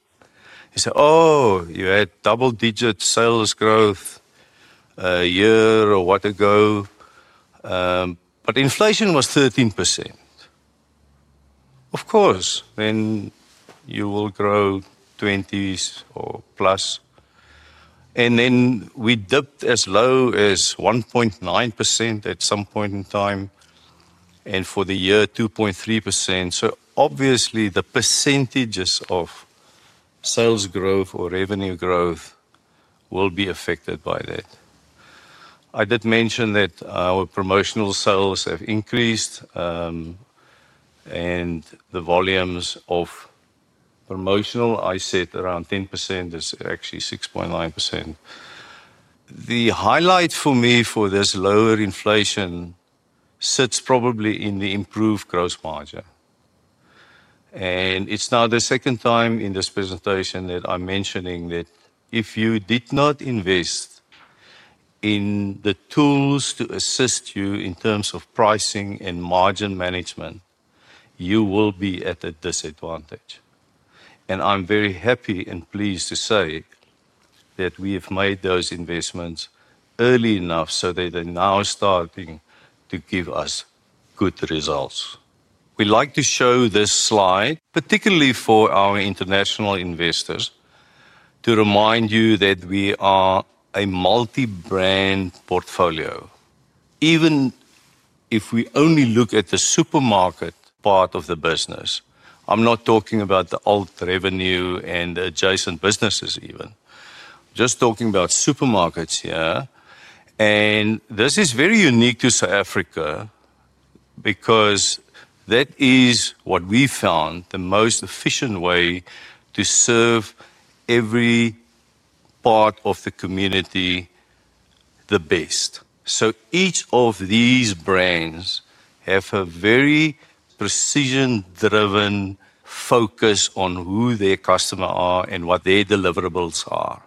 they say, oh, you had double-digit sales growth a year or what ago, but inflation was 13%. Of course, then you will grow 20s or plus. We dipped as low as 1.9% at some point in time, and for the year, 2.3%. Obviously, the percentages of sales growth or revenue growth will be affected by that. I did mention that our promotional sales have increased, and the volumes of promotional I said around 10% is actually 6.9%. The highlight for me for this lower inflation sits probably in the improved gross margin. It's now the second time in this presentation that I'm mentioning that if you did not invest in the tools to assist you in terms of pricing and margin management, you will be at a disadvantage. I'm very happy and pleased to say that we have made those investments early enough so that they're now starting to give us good results. We like to show this slide, particularly for our international investors, to remind you that we are a multi-brand portfolio. Even if we only look at the supermarket part of the business, I'm not talking about the alt revenue and the adjacent businesses even. I'm just talking about supermarkets here. This is very unique to South Africa because that is what we found the most efficient way to serve every part of the community the best. Each of these brands has a very precision-driven focus on who their customers are and what their deliverables are.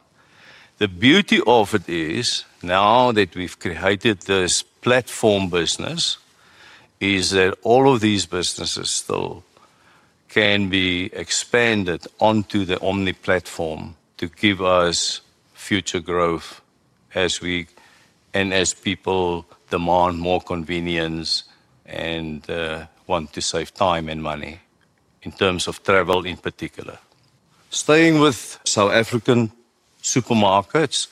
The beauty of it is now that we've created this platform business is that all of these businesses still can be expanded onto the omnichannel platform to give us future growth as we and as people demand more convenience and want to save time and money in terms of travel in particular. Staying with South African supermarkets,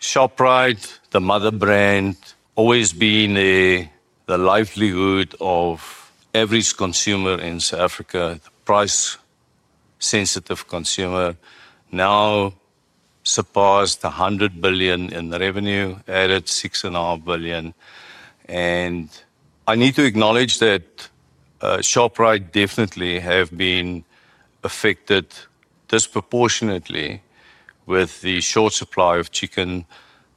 Shoprite, the mother brand, always been the livelihood of every consumer in South Africa, price-sensitive consumer, now surpassed 100 billion in revenue, added 6.5 billion. I need to acknowledge that Shoprite definitely has been affected disproportionately with the short supply of chicken.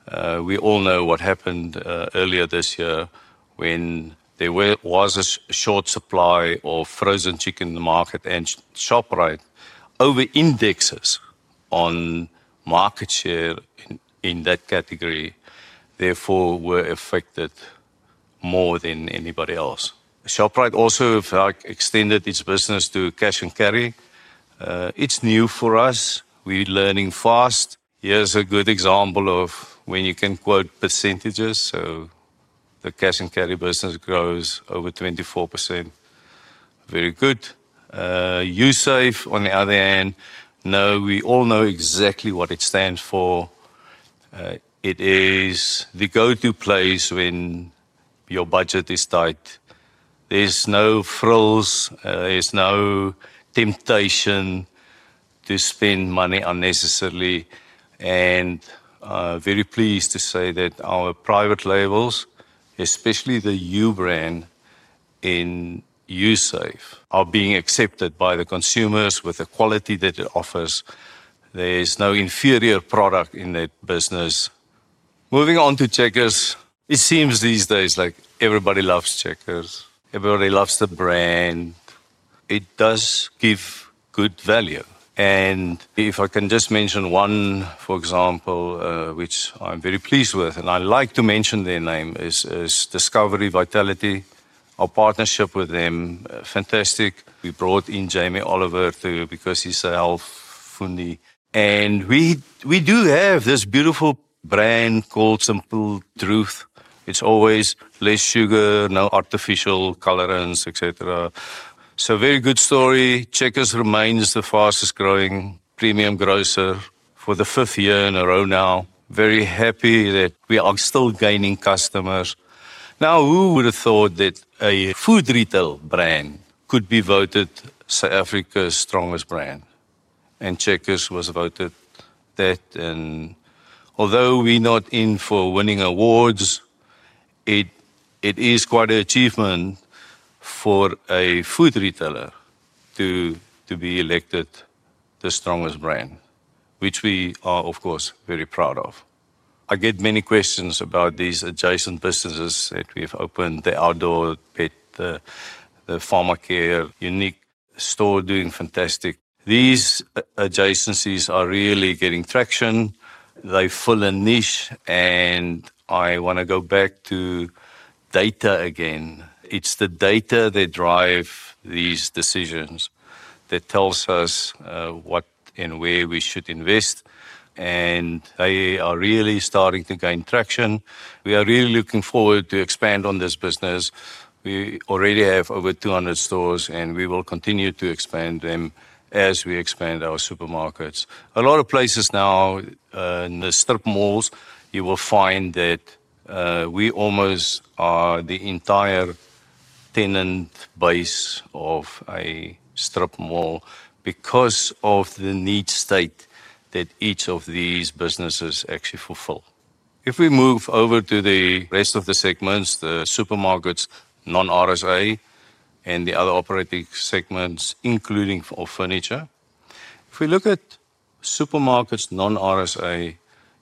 We all know what happened earlier this year when there was a short supply of frozen chicken in the market, and Shoprite over indexes on market share in that category, therefore were affected more than anybody else. Shoprite also extended its business to cash and carry. It's new for us. We're learning fast. Here's a good example of when you can quote percentages. The cash and carry business grows over 24%. Very good. Usave, on the other hand, we all know exactly what it stands for. It is the go-to place when your budget is tight. There's no frills. There's no temptation to spend money unnecessarily. I'm very pleased to say that our private labels, especially the U brand in Usave, are being accepted by the consumers with the quality that it offers. There's no inferior product in that business. Moving on to Checkers, it seems these days like everybody loves Checkers. Everybody loves the brand. It does give good value. If I can just mention one, for example, which I'm very pleased with, and I like to mention their name, is Discovery Vitality. Our partnership with them, fantastic. We brought in Jamie Oliver too because he's a health funny. We do have this beautiful brand called Simple Truth. It's always less sugar, no artificial colorants, et cetera. A very good story. Checkers remains the fastest growing premium grocer for the fifth year in a row now. Very happy that we are still gaining customers. Who would have thought that a food retail brand could be voted South Africa's strongest brand? Checkers was voted that. Although we're not in for winning awards, it is quite an achievement for a food retailer to be elected the strongest brand, which we are, of course, very proud of. I get many questions about these adjacent businesses that we've opened, the outdoor, pet, the pharmacy, unique store doing fantastic. These adjacencies are really getting traction. They fill a niche, and I want to go back to data again. It's the data that drives these decisions that tells us what and where we should invest. They are really starting to gain traction. We are really looking forward to expand on this business. We already have over 200 stores, and we will continue to expand them as we expand our supermarkets. A lot of places now, in the strip malls, you will find that we almost are the entire tenant base of a strip mall because of the need state that each of these businesses actually fulfill. If we move over to the rest of the segments, the supermarkets non-RSA and the other operating segments, including for furniture, if we look at supermarkets non-RSA,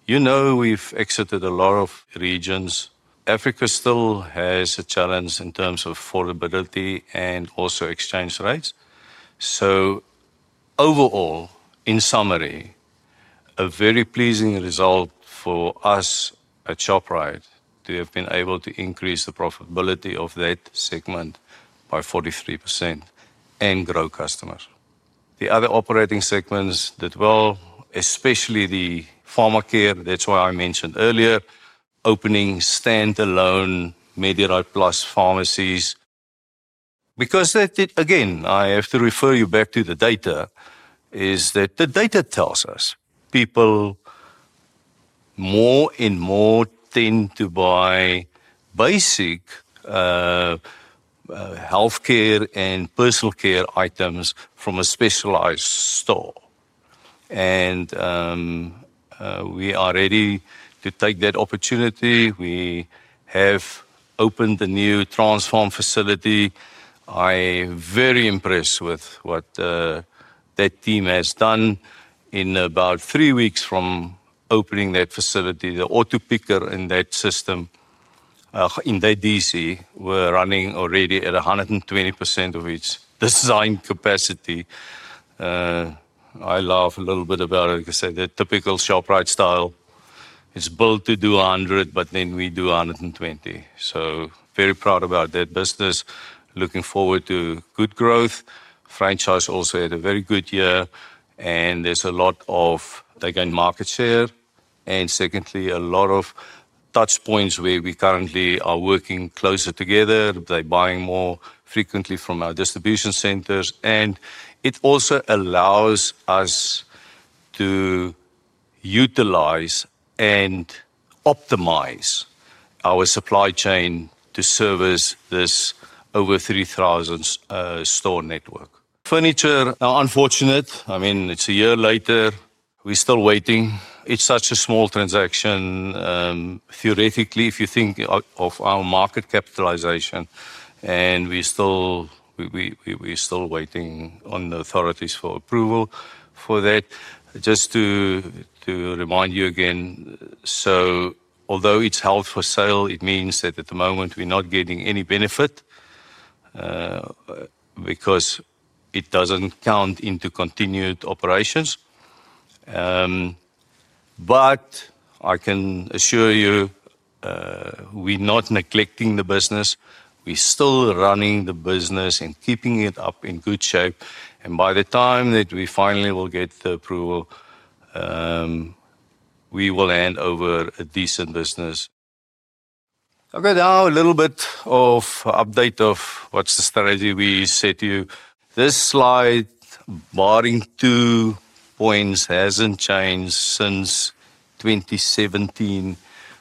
you know we've exited a lot of regions. Africa still has a challenge in terms of affordability and also exchange rates. Overall, in summary, a very pleasing result for us at Shoprite to have been able to increase the profitability of that segment by 43% and grow customers. The other operating segments did well, especially the pharmacy. That's why I mentioned earlier opening standalone Medirite Plus pharmacies. Because that, again, I have to refer you back to the data, is that the data tells us people more and more tend to buy basic healthcare and personal care items from a specialized store. We are ready to take that opportunity. We have opened the new Transpharm facility. I'm very impressed with what that team has done. In about three weeks from opening that facility, the auto-picker in that system, in that DC, we're running already at 120% of its design capacity. I laugh a little bit about it because I said the typical Shoprite style is built to do 100, but then we do 120. Very proud about that business. Looking forward to good growth. Franchise also had a very good year, and there's a lot of gained market share. Secondly, a lot of touch points where we currently are working closer together. They're buying more frequently from our distribution centers, and it also allows us to utilize and optimize our supply chain to service this over 3,000-store network. Furniture, unfortunately, I mean, it's a year later. We're still waiting. It's such a small transaction. Theoretically, if you think of our market capitalization, and we're still waiting on the authorities for approval for that. Just to remind you again, although it's held for sale, it means that at the moment we're not getting any benefit because it doesn't count into continued operations. I can assure you, we're not neglecting the business. We're still running the business and keeping it up in good shape. By the time that we finally will get the approval, we will hand over a decent business. I'll go down a little bit of update of what's the strategy we said to you. This slide, barring two points, hasn't changed since 2017,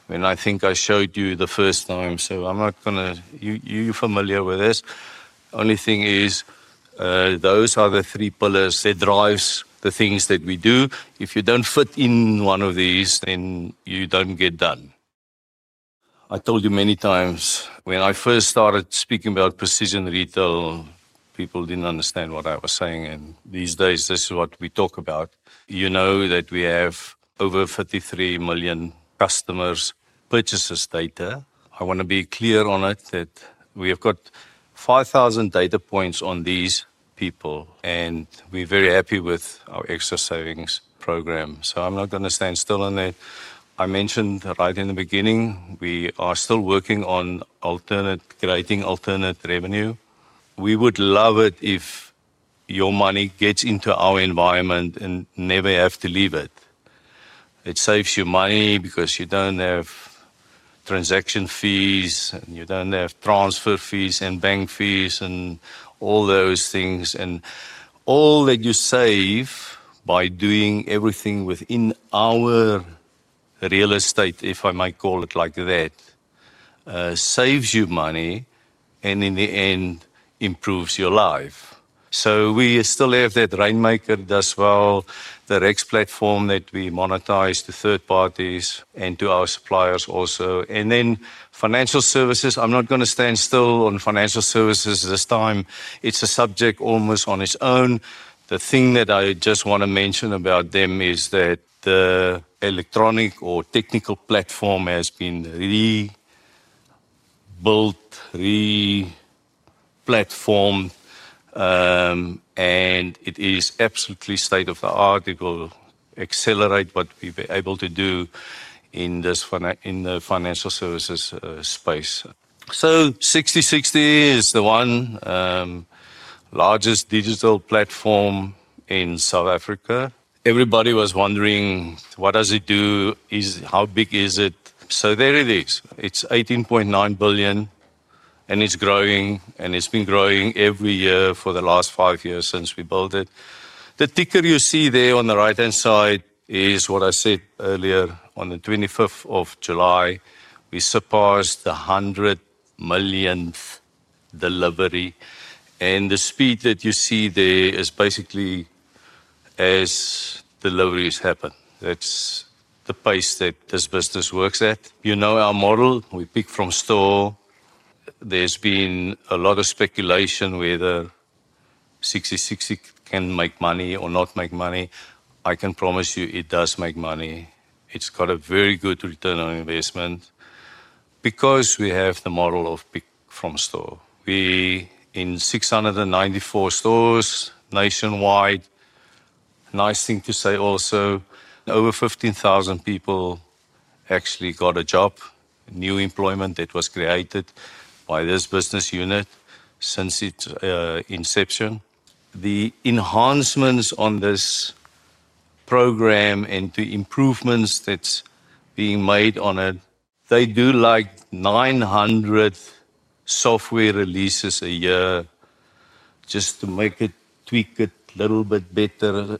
when I think I showed you the first time. I'm not going to, you're familiar with this. The only thing is those are the three pillars that drive the things that we do. If you don't fit in one of these, then you don't get done. I told you many times when I first started speaking about precision retail, people didn't understand what I was saying. These days, this is what we talk about. You know that we have over 53 million customers' purchases data. I want to be clear on it that we have got 5,000 data points on these people, and we're very happy with our Extra Savings program. I'm not going to stand still on that. I mentioned right in the beginning, we are still working on creating alternate revenue. We would love it if your money gets into our environment and never has to leave it. It saves you money because you don't have transaction fees, and you don't have transfer fees and bank fees and all those things. All that you save by doing everything within our real estate, if I might call it like that, saves you money and in the end improves your life. We still have that Rainmaker as well, the REX platform that we monetize to third parties and to our suppliers also. Financial services, I'm not going to stand still on financial services this time. It's a subject almost on its own. The thing that I just want to mention about them is that the electronic or technical platform has been rebuilt, re-platformed, and it is absolutely state of the art. It will accelerate what we've been able to do in the financial services space. 60/60 is the one largest digital platform in South Africa. Everybody was wondering, what does it do? How big is it? There it is. It's 18.9 billion, and it's growing, and it's been growing every year for the last five years since we built it. The ticker you see there on the right-hand side is what I said earlier. On July 25, we surpassed the 100 millionth delivery, and the speed that you see there is basically as deliveries happen. That's the pace that this business works at. You know our model. We pick from store. There's been a lot of speculation whether 60/60 can make money or not make money. I can promise you it does make money. It's got a very good return on investment because we have the model of pick from store. We're in 694 stores nationwide. Nice thing to say also, over 15,000 people actually got a job, new employment that was created by this business unit since its inception. The enhancements on this program and the improvements that's being made on it, they do like 900 software releases a year just to make it tweak it a little bit better.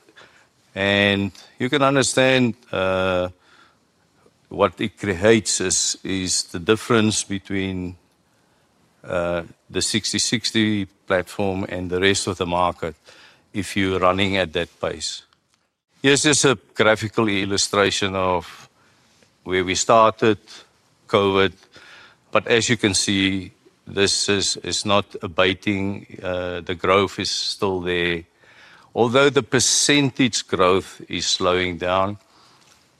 You can understand what it creates is the difference between the 60/60 platform and the rest of the market if you're running at that pace. Here's just a graphical illustration of where we started, COVID. As you can see, this is not abating. The growth is still there. Although the % growth is slowing down,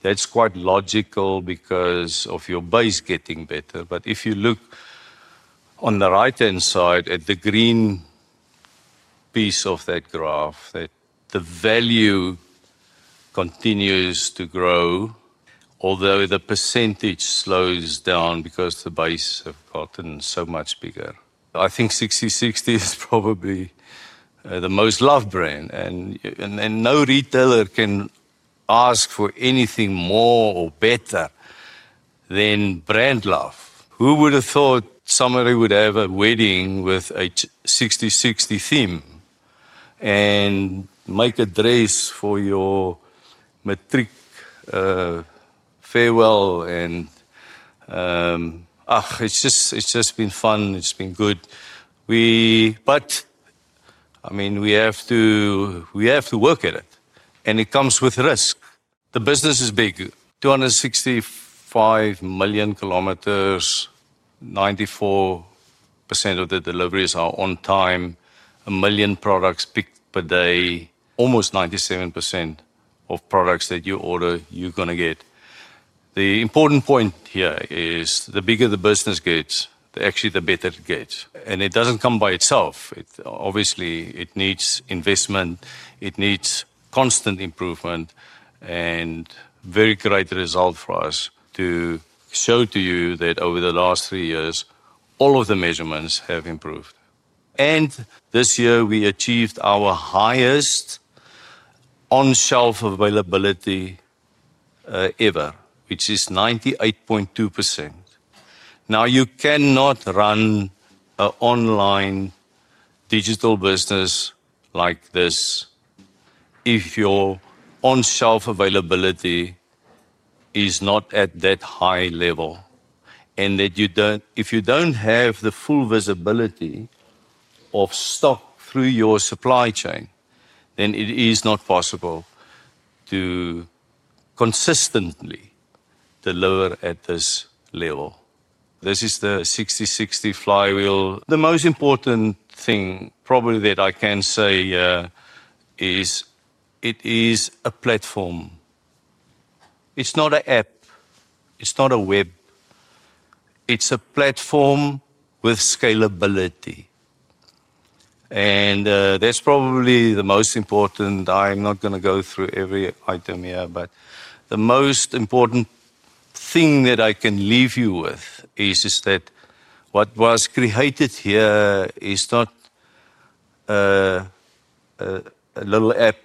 that's quite logical because of your base getting better. If you look on the right-hand side at the green piece of that graph, the value continues to grow, although the % slows down because the base has gotten so much bigger. I think 60/60 is probably the most loved brand, and no retailer can ask for anything more or better than brand love. Who would have thought somebody would have a wedding with a 60/60 theme and make a dress for your matric farewell? It's just been fun. It's been good. We have to work at it, and it comes with risk. The business is big. 265 million kilometers. 94% of the deliveries are on time. A million products picked per day. Almost 97% of products that you order, you're going to get. The important point here is the bigger the business gets, actually the better it gets. It doesn't come by itself. Obviously, it needs investment. It needs constant improvement and very greatly. Result for us to show to you that over the last three years, all of the measurements have improved. This year, we achieved our highest on-shelf availability ever, which is 98.2%. You cannot run an online digital business like this if your on-shelf availability is not at that high level. If you don't have the full visibility of stock through your supply chain, then it is not possible to consistently deliver at this level. This is the 60/60 flywheel. The most important thing probably that I can say is it is a platform. It's not an app. It's not a web. It's a platform with scalability. That's probably the most important. I'm not going to go through every item here, but the most important thing that I can leave you with is that what was created here is not a little app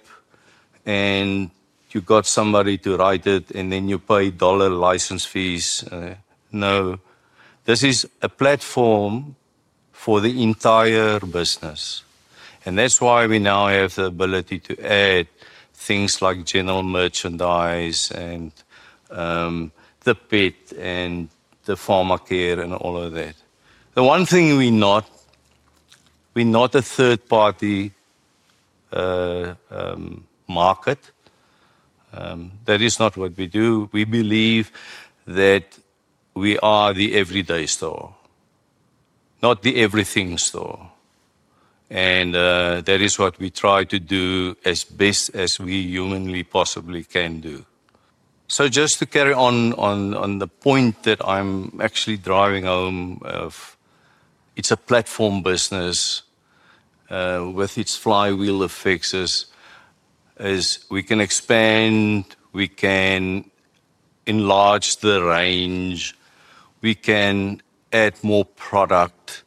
and you got somebody to write it and then you pay dollar license fees. No, this is a platform for the entire business. That's why we now have the ability to add things like general merchandise and the pet and the pharma care and all of that. The one thing we're not, we're not a third-party market. That is not what we do. We believe that we are the everyday store, not the everything store. That is what we try to do as best as we humanly possibly can do. Just to carry on on the point that I'm actually driving home of, it's a platform business with its flywheel of fixes. We can expand, we can enlarge the range, we can add more product.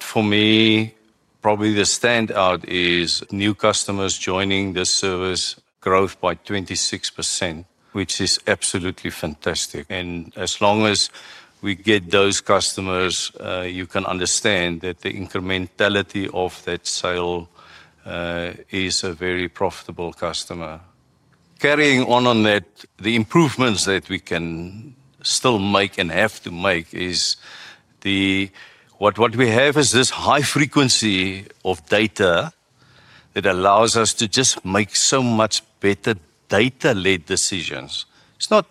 For me, probably the standout is new customers joining the service, growth by 26%, which is absolutely fantastic. As long as we get those customers, you can understand that the incrementality of that sale is a very profitable customer. Carrying on on that, the improvements that we can still make and have to make is what we have is this high frequency of data that allows us to just make so much better data-led decisions. It's not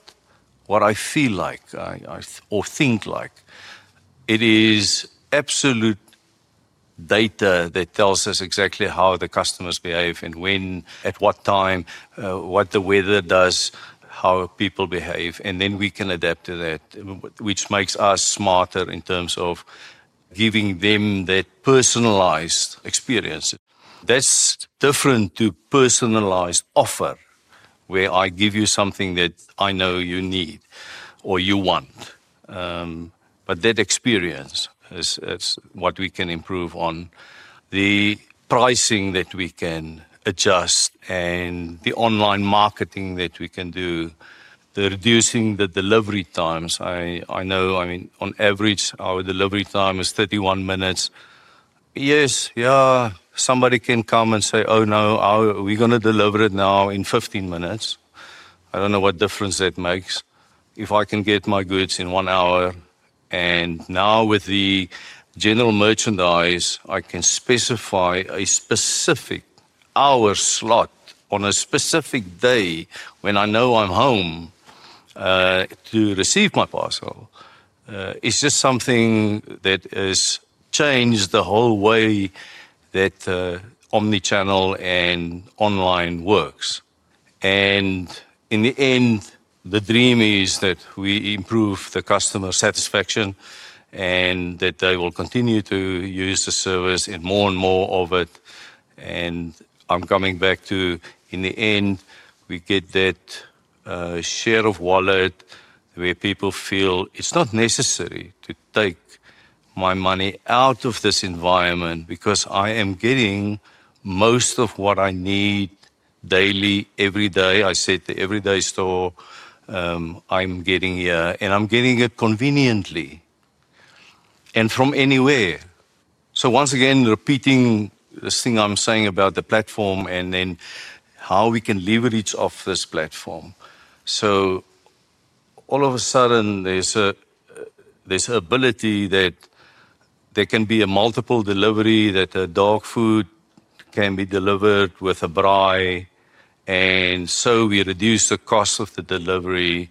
what I feel like or think like. It is absolute data that tells us exactly how the customers behave and when, at what time, what the weather does, how people behave. We can adapt to that, which makes us smarter in terms of giving them that personalized experience. That's different to personalized offer where I give you something that I know you need or you want. That experience is what we can improve on. The pricing that we can adjust and the online marketing that we can do, the reducing the delivery times. I know, I mean, on average, our delivery time is 31 minutes. Somebody can come and say, "Oh, no, we're going to deliver it now in 15 minutes." I don't know what difference that makes if I can get my goods in one hour. With the general merchandise, I can specify a specific hour slot on a specific day when I know I'm home to receive my parcel. It's just something that has changed the whole way that omnichannel and online works. In the end, the dream is that we improve the customer satisfaction and that they will continue to use the service and more and more of it. I'm coming back to, in the end, we get that share of wallet where people feel it's not necessary to take my money out of this environment because I am getting most of what I need daily, every day. I said the everyday store I'm getting here, and I'm getting it conveniently and from anywhere. Once again, repeating this thing I'm saying about the platform and then how we can leverage off this platform. All of a sudden, there's an ability that there can be a multiple delivery, that a dog food can be delivered with a braai. We reduce the cost of the delivery,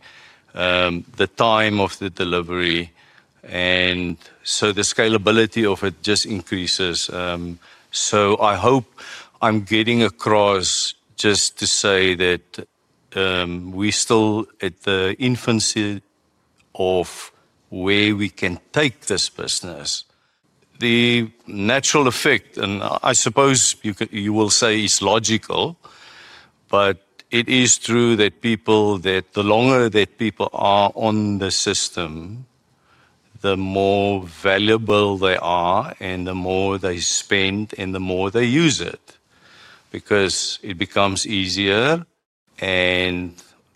the time of the delivery. The scalability of it just increases. I hope I'm getting across just to say that we're still at the infancy of where we can take this business. The natural effect, and I suppose you will say is logical, but it is true that people, the longer that people are on the system, the more valuable they are and the more they spend and the more they use it because it becomes easier.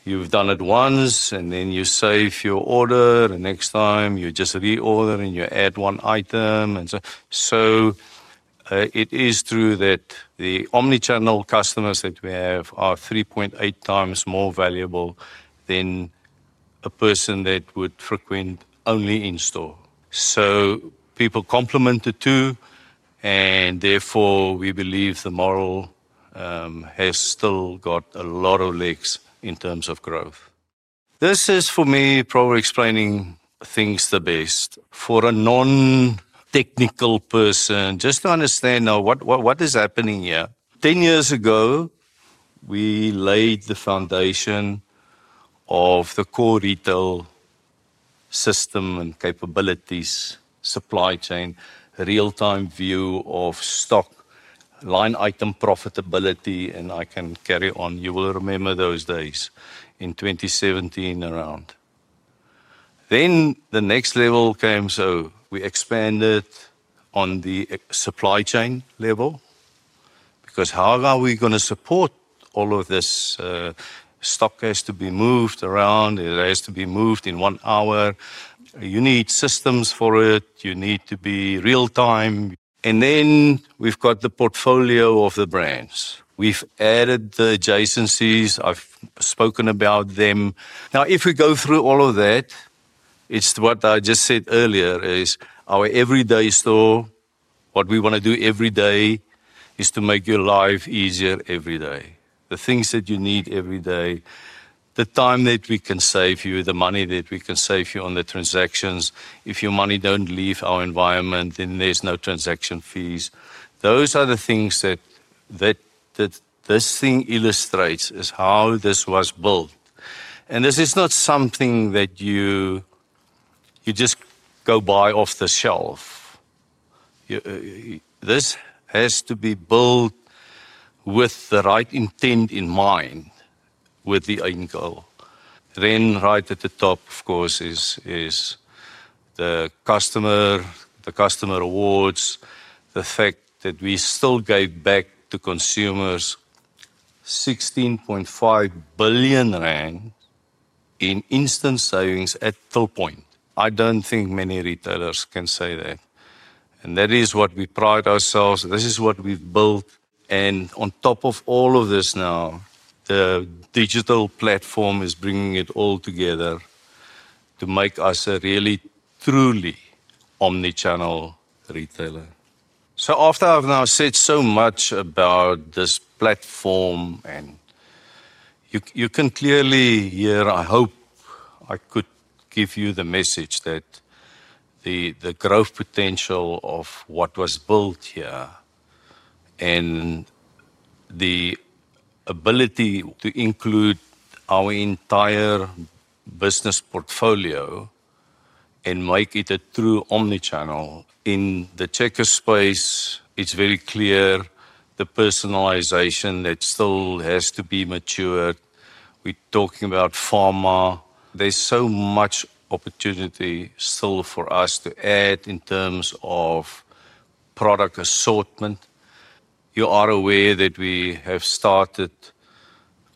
You've done it once and then you save your order. The next time, you just reorder and you add one item. It is true that the omnichannel customers that we have are 3.8 times more valuable than a person that would frequent only in-store. People complement the two, and therefore, we believe the model has still got a lot of legs in terms of growth. This is, for me, probably explaining things the best. For a non-technical person, just to understand now what is happening here. 10 years ago, we laid the foundation of the core retail system and capabilities, supply chain, real-time view of stock, line item profitability. I can carry on. You will remember those days in 2017 around. The next level came. We expanded on the supply chain level because how are we going to support all of this? Stock has to be moved around. It has to be moved in one hour. You need systems for it. You need to be real-time. We've got the portfolio of the brands. We've added the adjacencies. I've spoken about them. If we go through all of that, it's what I just said earlier is our everyday store. What we want to do every day is to make your life easier every day. The things that you need every day, the time that we can save you, the money that we can save you on the transactions. If your money doesn't leave our environment, then there's no transaction fees. Those are the things that this thing illustrates, is how this was built. This is not something that you just go buy off the shelf. This has to be built with the right intent in mind with the end goal. Right at the top, of course, is the customer, the customer rewards, the fact that we still gave back to consumers 16.5 billion rand in instant savings at the point. I don't think many retailers can say that. That is what we pride ourselves. This is what we've built. On top of all of this now, the digital platform is bringing it all together to make us a really, truly omnichannel retailer. After I've now said so much about this platform, you can clearly hear, I hope I could give you the message that the growth potential of what was built here and the ability to include our entire business portfolio and make it a true omnichannel. In the tech space, it's very clear the personalization that still has to be matured. We're talking about pharma. There's so much opportunity still for us to add in terms of product assortment. You are aware that we have started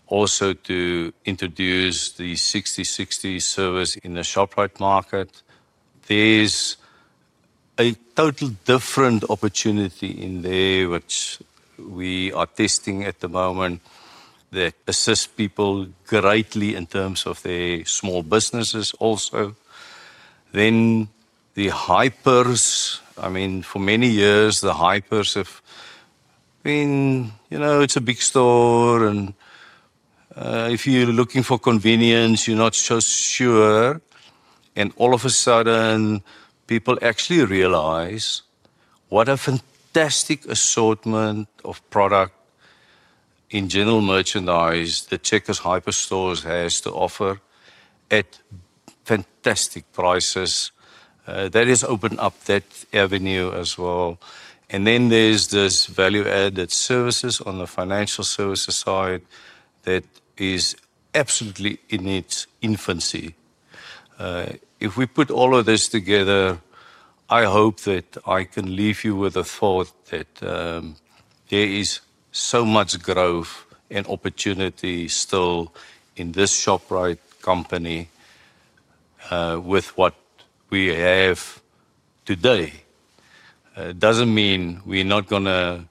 also to introduce the 60/60 service in the Shoprite market. There's a total different opportunity in there, which we are testing at the moment that assists people greatly in terms of their small businesses also. The hypers, I mean, for many years, the hypers have been, you know, it's a big store. If you're looking for convenience, you're not so sure. All of a sudden, people actually realize what a fantastic assortment of product in general merchandise the Checkers Hyper stores have to offer at fantastic prices. That has opened up that avenue as well. There are value-added services on the financial services side that is absolutely in its infancy. If we put all of this together, I hope that I can leave you with a thought that there is so much growth and opportunity still in this Shoprite company with what we have today. It doesn't mean we're going to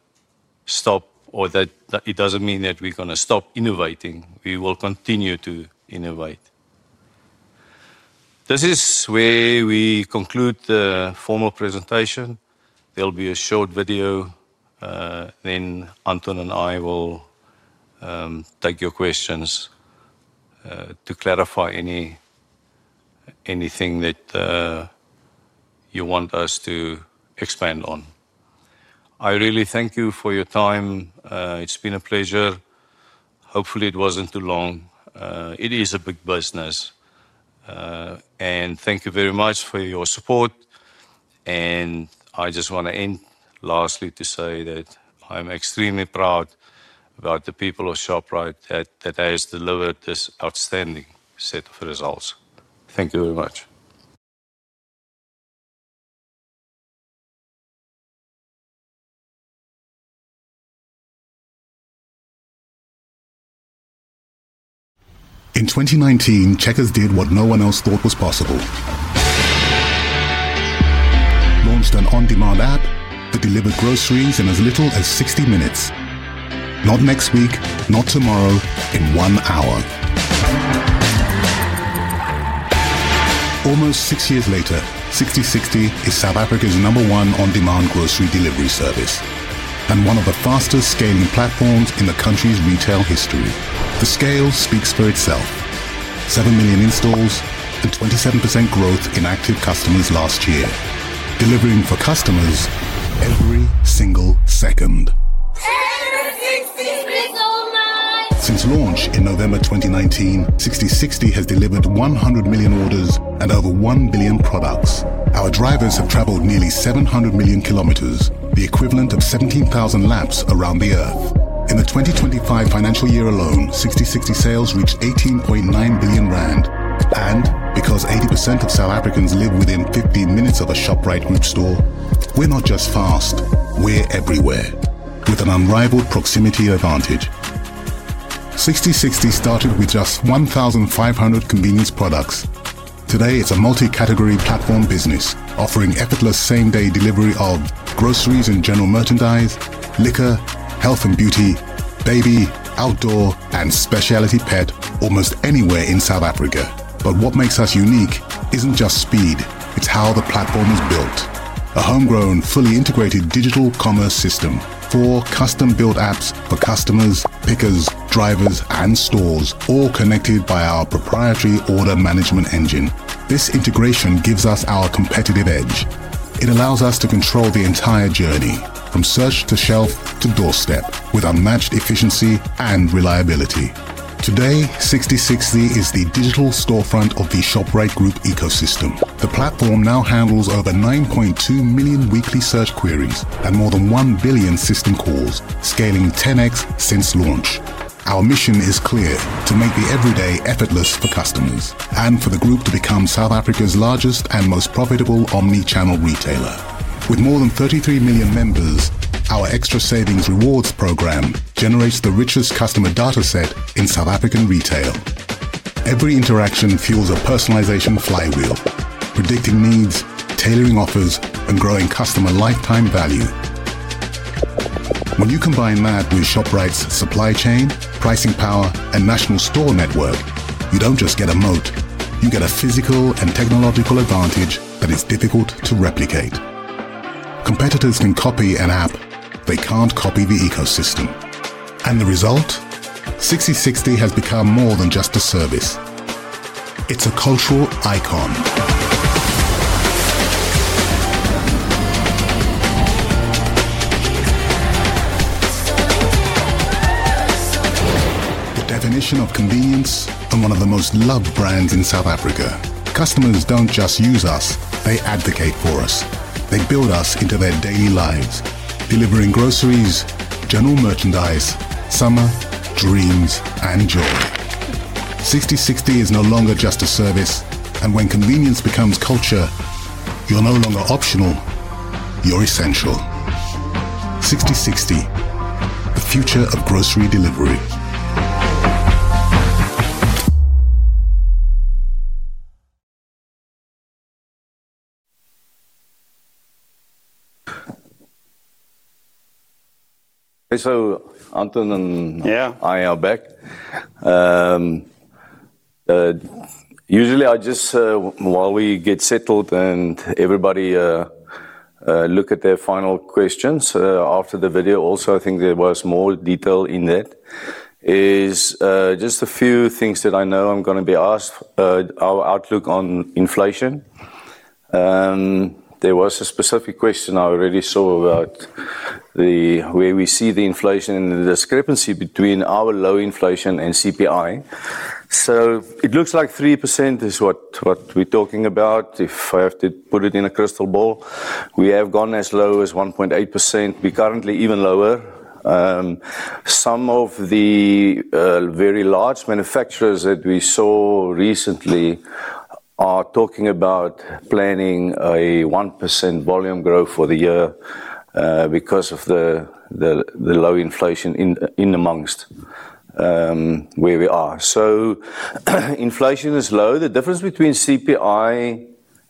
stop innovating. We will continue to innovate. This is where we conclude the formal presentation. There will be a short video. Anton and I will take your questions to clarify anything that you want us to expand on. I really thank you for your time. It's been a pleasure. Hopefully, it wasn't too long. It is a big business. Thank you very much for your support. I just want to end lastly to say that I'm extremely proud about the people of Shoprite that have delivered this outstanding set of results. Thank you very much. In 2019, Shoprite did what no one else thought was possible. Launched an on-demand app that delivered groceries in as little as 60 minutes. Not next week, not tomorrow, in one hour. Almost six years later, 60/60 is South Africa's number one on-demand grocery delivery service and one of the fastest scaling platforms in the country's retail history. The scale speaks for itself. 7 million installs and 27% growth in active customers last year, delivering for customers every single second. Since launch in November 2019, 60/60 has delivered 100 million orders and over 1 billion products. Our drivers have traveled nearly 700 million kilometers, the equivalent of 17,000 laps around the earth. In the 2025 financial year alone, 60/60 sales reached 18.9 billion rand. Because 80% of South Africans live within 15 minutes of a Shoprite Holdings store, we're not just fast, we're everywhere with an unrivaled proximity advantage. 60/60 started with just 1,500 convenience products. Today, it's a multi-category platform business offering effortless same-day delivery of groceries and general merchandise, liquor, health and beauty, baby, outdoor, and specialty pet almost anywhere in South Africa. What makes us unique isn't just speed, it's how the platform is built. A homegrown, fully integrated digital commerce system for custom-built apps for customers, pickers, drivers, and stores, all connected by our proprietary order management engine. This integration gives us our competitive edge. It allows us to control the entire journey from search to shelf to doorstep with unmatched efficiency and reliability. Today, 60/60 is the digital storefront of the Shoprite group ecosystem. The platform now handles over 9.2 million weekly search queries and more than 1 billion system calls, scaling 10x since launch. Our mission is clear: to make the everyday effortless for customers and for the group to become South Africa's largest and most profitable omnichannel retailer. With more than 33 million members, our Extra Savings rewards program generates the richest customer dataset in South African retail. Every interaction fuels a personalization flywheel, predicting needs, tailoring offers, and growing customer lifetime value. When you combine that with Shoprite's supply chain, pricing power, and national store network, you don't just get a moat. You get a physical and technological advantage that is difficult to replicate. Competitors can copy an app; they can't copy the ecosystem. The result? 60/60 has become more than just a service. It's a cultural icon. The definition of convenience and one of the most loved brands in South Africa. Customers don't just use us; they advocate for us. They build us into their daily lives, delivering groceries, general merchandise, summer, dreams, and joy. 60/60 is no longer just a service, and when convenience becomes culture, you're no longer optional; you're essential. 60/60, the future of grocery delivery. Anton and I are back. Usually, I just, while we get settled and everybody look at their final questions after the video, also I think there was more detail in that, is just a few things that I know I'm going to be asked. Our outlook on inflation. There was a specific question I already saw about where we see the inflation and the discrepancy between our low inflation and CPI. It looks like 3% is what we're talking about. If I have to put it in a crystal ball, we have gone as low as 1.8%. We're currently even lower. Some of the very large manufacturers that we saw recently are talking about planning a 1% volume growth for the year because of the low inflation in amongst where we are. Inflation is low. The difference between CPI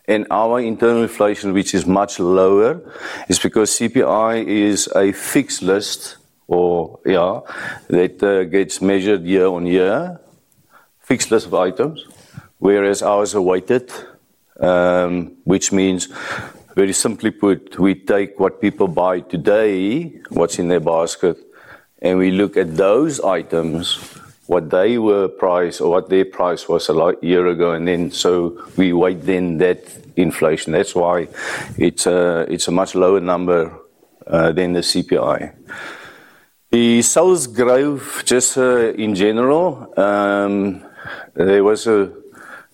and our internal inflation, which is much lower, is because CPI is a fixed list or, yeah, that gets measured year on year, fixed list of items, whereas ours are weighted, which means, very simply put, we take what people buy today, what's in their basket, and we look at those items, what they were priced or what their price was a year ago. We weigh then that inflation. That's why it's a much lower number than the CPI. The sales growth just in general,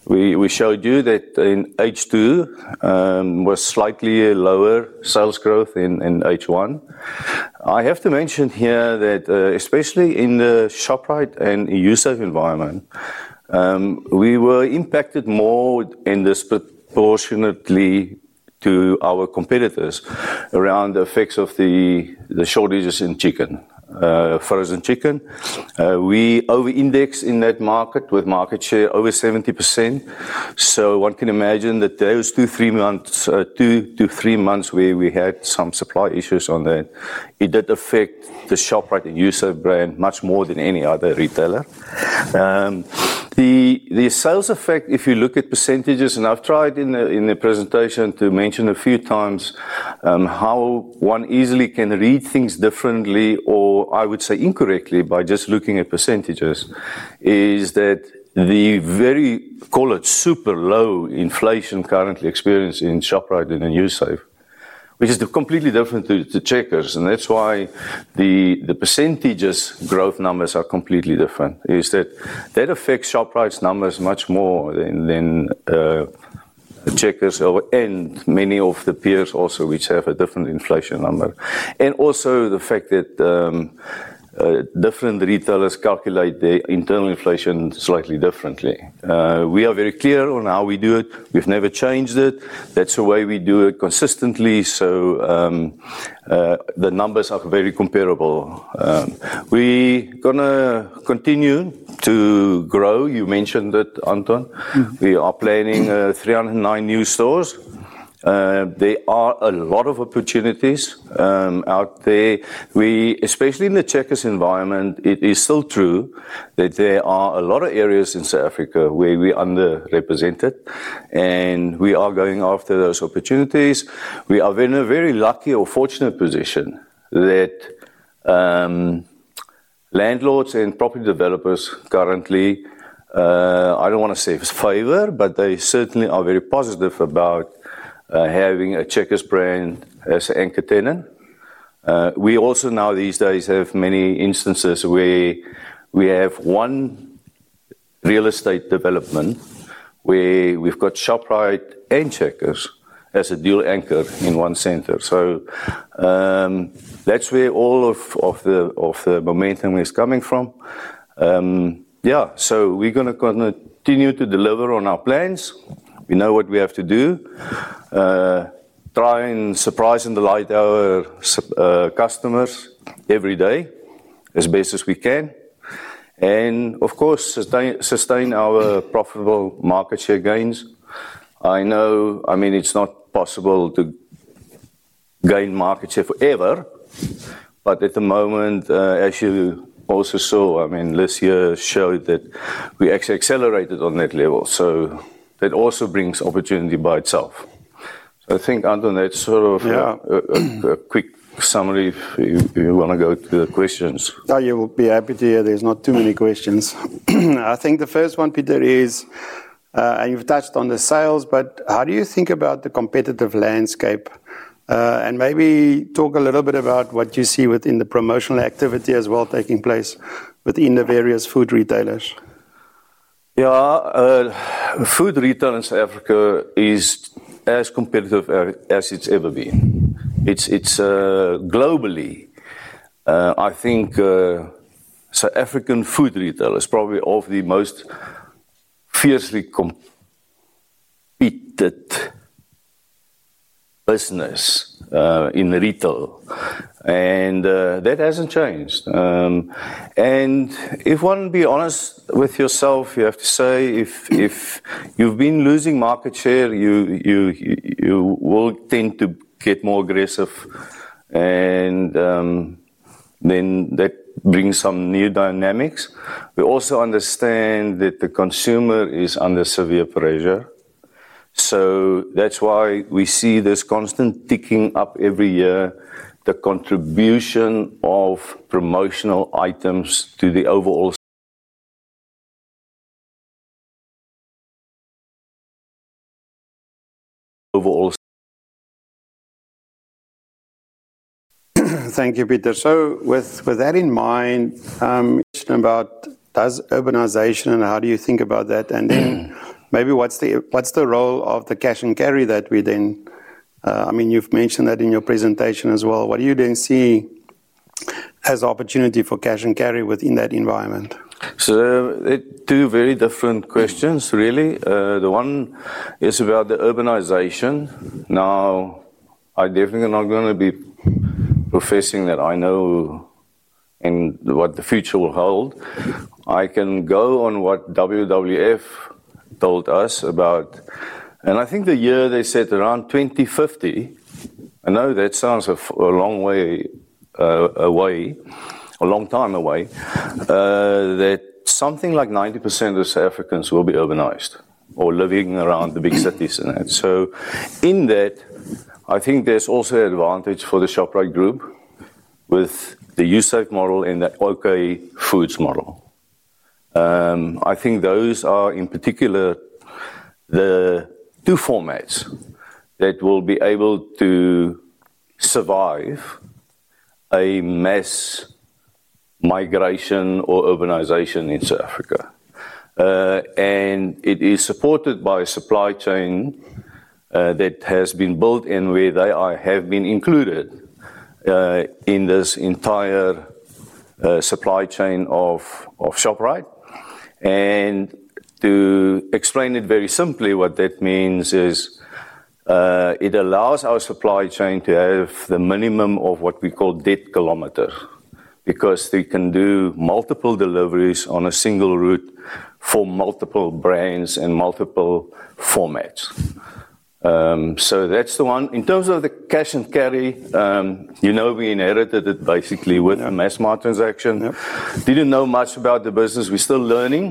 we showed you that in H2 was slightly lower sales growth than in H1. I have to mention here that especially in the Shoprite and USAF environment, we were impacted more and disproportionately to our competitors around the effects of the shortages in chicken, frozen chicken. We over-indexed in that market with market share over 70%. One can imagine that those two to three months where we had some supply issues on that, it did affect the Shoprite and USAF brand much more than any other retailer. The sales effect, if you look at percentages, and I've tried in the presentation to mention a few times how one easily can read things differently or, I would say, incorrectly by just looking at percentages, is that the very, call it super low inflation currently experienced in Shoprite and USAF, which is completely different to Checkers. That's why the percentages growth numbers are completely different. That affects Shoprite's numbers much more than Checkers and many of the peers also, which have a different inflation number. Also, the fact that different retailers calculate the internal inflation slightly differently. We are very clear on how we do it. We've never changed it. That's the way we do it consistently. The numbers are very comparable. We're going to continue to grow. You mentioned it, Anton. We are planning 309 new stores. There are a lot of opportunities out there, especially in the Checkers environment. It is still true that there are a lot of areas in South Africa where we're underrepresented, and we are going after those opportunities. We are in a very lucky or fortunate position that landlords and property developers currently, I don't want to say it's favor, but they certainly are very positive about having a Checkers brand as an anchor tenant. We also now these days have many instances where we have one real estate development where we've got Shoprite and Checkers as a dual anchor in one center. That's where all of the momentum is coming from. We're going to continue to deliver on our plans. We know what we have to do, try and surprise and delight our customers every day as best as we can. Of course, sustain our profitable market share gains. I know it's not possible to gain market share forever, but at the moment, as you also saw, last year showed that we actually accelerated on that level. That also brings opportunity by itself. I think, Anton, that's sort of a quick summary if you want to go to the questions. No, you will be happy to hear. There's not too many questions. I think the first one, Pieter, is, and you've touched on the sales, but how do you think about the competitive landscape? Maybe talk a little bit about what you see within the promotional activity as well, taking place within the various food retailers. Yeah. Food retail in South Africa is as competitive as it's ever been. Globally, I think South African food retail is probably of the most fiercely competitive business in retail. That hasn't changed. If one be honest with yourself, you have to say, if you've been losing market share, you will tend to get more aggressive. That brings some new dynamics. We also understand that the consumer is under severe pressure. That's why we see this constant ticking up every year, the contribution of promotional items to the overall. Thank you, Pieter. With that in mind, you mentioned about urbanization and how do you think about that? Maybe what's the role of the cash and carry that we then, I mean, you've mentioned that in your presentation as well. What do you then see as opportunity for cash and carry within that environment? They are two very different questions, really. The one is about the urbanization. I definitely am not going to be professing that I know what the future will hold. I can go on what WWF told us about, and I think the year they said around 2050, I know that sounds a long way away, a long time away, that something like 90% of South Africans will be urbanized or living around the big cities. In that, I think there's also an advantage for the Shoprite group with the USAF model and the OK Foods model. I think those are in particular the two formats that will be able to survive a mass migration or urbanization in South Africa. It is supported by a supply chain that has been built and where they have been included in this entire supply chain of Shoprite. To explain it very simply, what that means is it allows our supply chain to have the minimum of what we call dead kilometers because they can do multiple deliveries on a single route for multiple brands and multiple formats. That's the one. In terms of the cash and carry, you know we inherited it basically with a mass market transaction. Didn't know much about the business. We're still learning.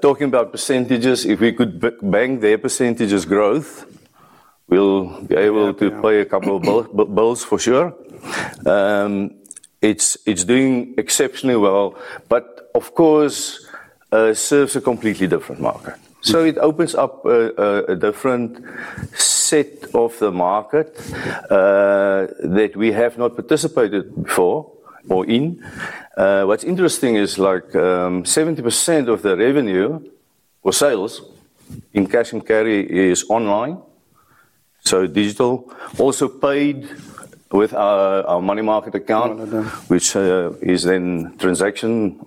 Talking about %, if we could bank their % growth, we'll be able to play a couple of balls for sure. It's doing exceptionally well, but of course, serves a completely different market. It opens up a different set of the market that we have not participated before or in. What's interesting is like 70% of the revenue or sales in cash and carry is online. Digital, also paid with our money market account, which is then transaction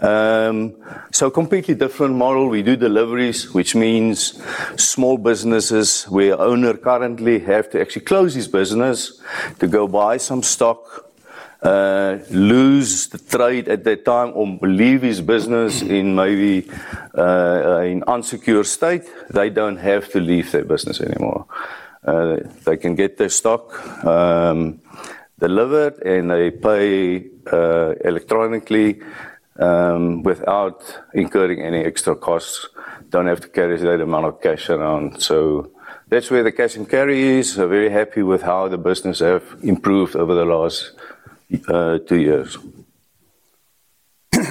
cost-free. A completely different model. We do deliveries, which means small businesses where owners currently have to actually close this business to go buy some stock, lose the trade at that time, or leave this business in maybe an unsecured state. They don't have to leave their business anymore. They can get their stock delivered and they pay electronically without incurring any extra costs. Don't have to carry that amount of cash around. That's where the cash and carry is. We're very happy with how the business has improved over the last two years.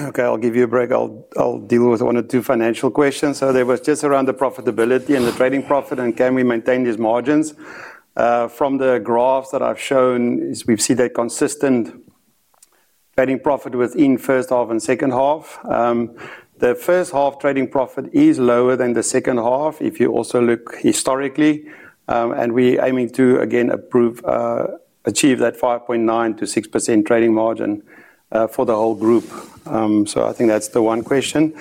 Okay, I'll give you a break. I'll deal with one or two financial questions. There was just around the profitability and the trading profit and can we maintain these margins? From the graphs that I've shown, we've seen that consistent trading profit within first half and second half. The first half trading profit is lower than the second half if you also look historically. We're aiming to, again, achieve that 5.9%-6% trading margin for the whole group. I think that's the one question.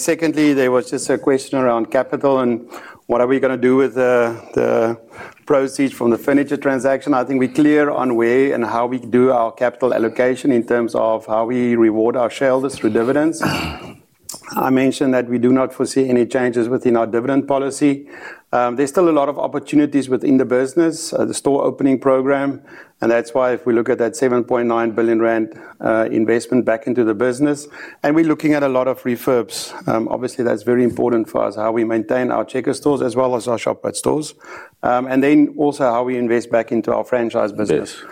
Secondly, there was just a question around capital and what are we going to do with the proceeds from the furniture transaction? I think we're clear on where and how we do our capital allocation in terms of how we reward our shareholders through dividends. I mentioned that we do not foresee any changes within our dividend policy. There's still a lot of opportunities within the business, the store opening program. That's why if we look at that 7.9 billion rand investment back into the business. We're looking at a lot of refurbs. Obviously, that's very important for us, how we maintain our Checkers stores as well as our Shoprite stores. Also, how we invest back into our franchise business.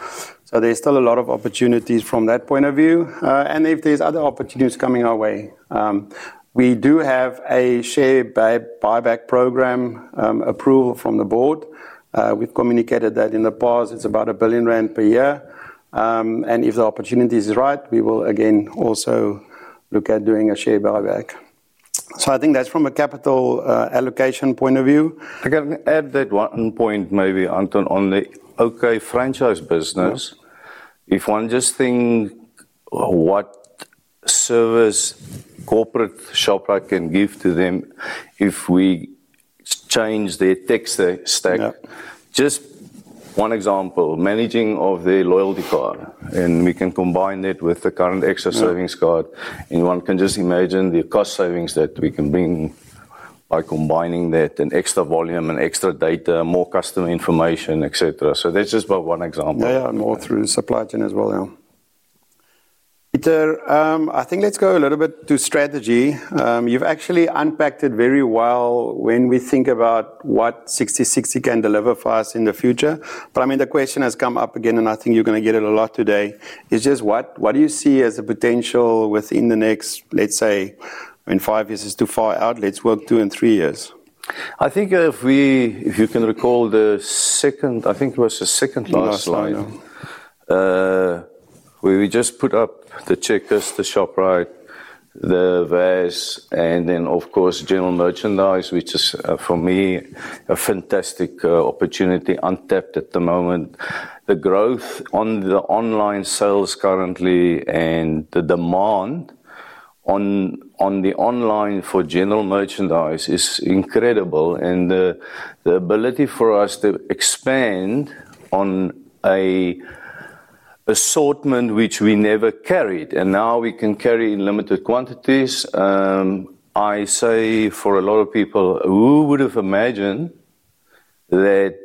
There's still a lot of opportunities from that point of view. If there's other opportunities coming our way, we do have a share buyback program approval from the board. We've communicated that in the past, it's about 1 billion rand per year. If the opportunity is right, we will again also look at doing a share buyback. I think that's from a capital allocation point of view. I can add that one point, maybe, Anton, on the OK Franchise business. If one just thinks what service corporate Shoprite can give to them if we change their tech stack, just one example, managing of their loyalty card. We can combine it with the current Extra Savings card. One can just imagine the cost savings that we can bring by combining that and extra volume and extra data, more customer information, etc. That's just about one example. Yeah, more through the supply chain as well. Pieter, I think let's go a little bit to strategy. You've actually unpacked it very well when we think about what 60/60 can deliver for us in the future. The question has come up again, and I think you're going to get it a lot today, is just what do you see as the potential within the next, let's say, I mean, five years is too far out. Let's work two and three years. I think if you can recall the second, I think it was the second last slide, where we just put up the Checkers, the Shoprite, the VAS, and then, of course, general merchandise, which is, for me, a fantastic opportunity untapped at the moment. The growth on the online sales currently and the demand on the online for general merchandise is incredible. The ability for us to expand on an assortment which we never carried, and now we can carry in limited quantities. I say for a lot of people, who would have imagined that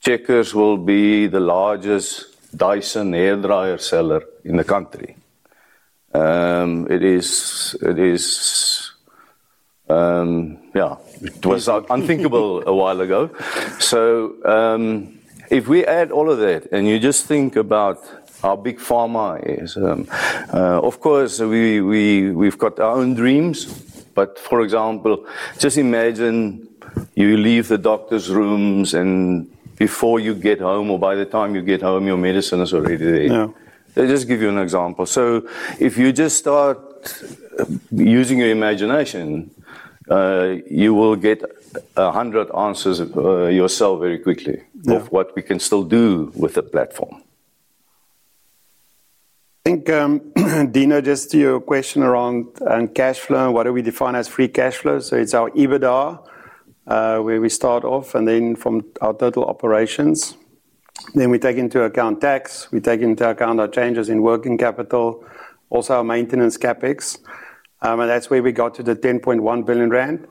Checkers will be the largest Dyson hairdryer seller in the country? It is, yeah, was unthinkable a while ago. If we add all of that and you just think about how big pharma is, of course, we've got our own dreams. For example, just imagine you leave the doctor's rooms and before you get home or by the time you get home, your medicine is already there. Let's just give you an example. If you just start using your imagination, you will get 100 answers yourself very quickly of what we can still do with a platform. I think, Dina, just to your question around cash flow and what do we define as free cash flow. It's our EBITDA, where we start off, and then from our total operations. We take into account tax, changes in working capital, and also our maintenance CapEx. That's where we got to the 10.1 billion rand.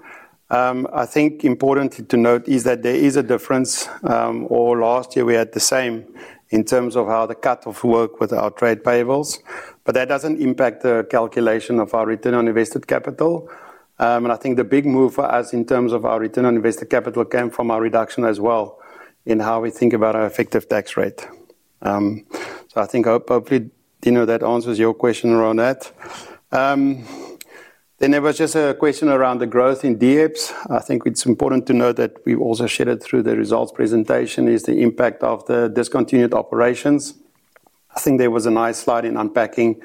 I think it's important to note that there is a difference. Last year, we had the same in terms of how the cut-off worked with our trade payables. That doesn't impact the calculation of our return on invested capital. I think the big move for us in terms of our return on invested capital came from our reduction as well in how we think about our effective tax rate. I think, hopefully, Dina, that answers your question around that. There was just a question around the growth in DHEPS. I think it's important to note that we also shared it through the results presentation, the impact of the discontinued operations. There was a nice slide unpacking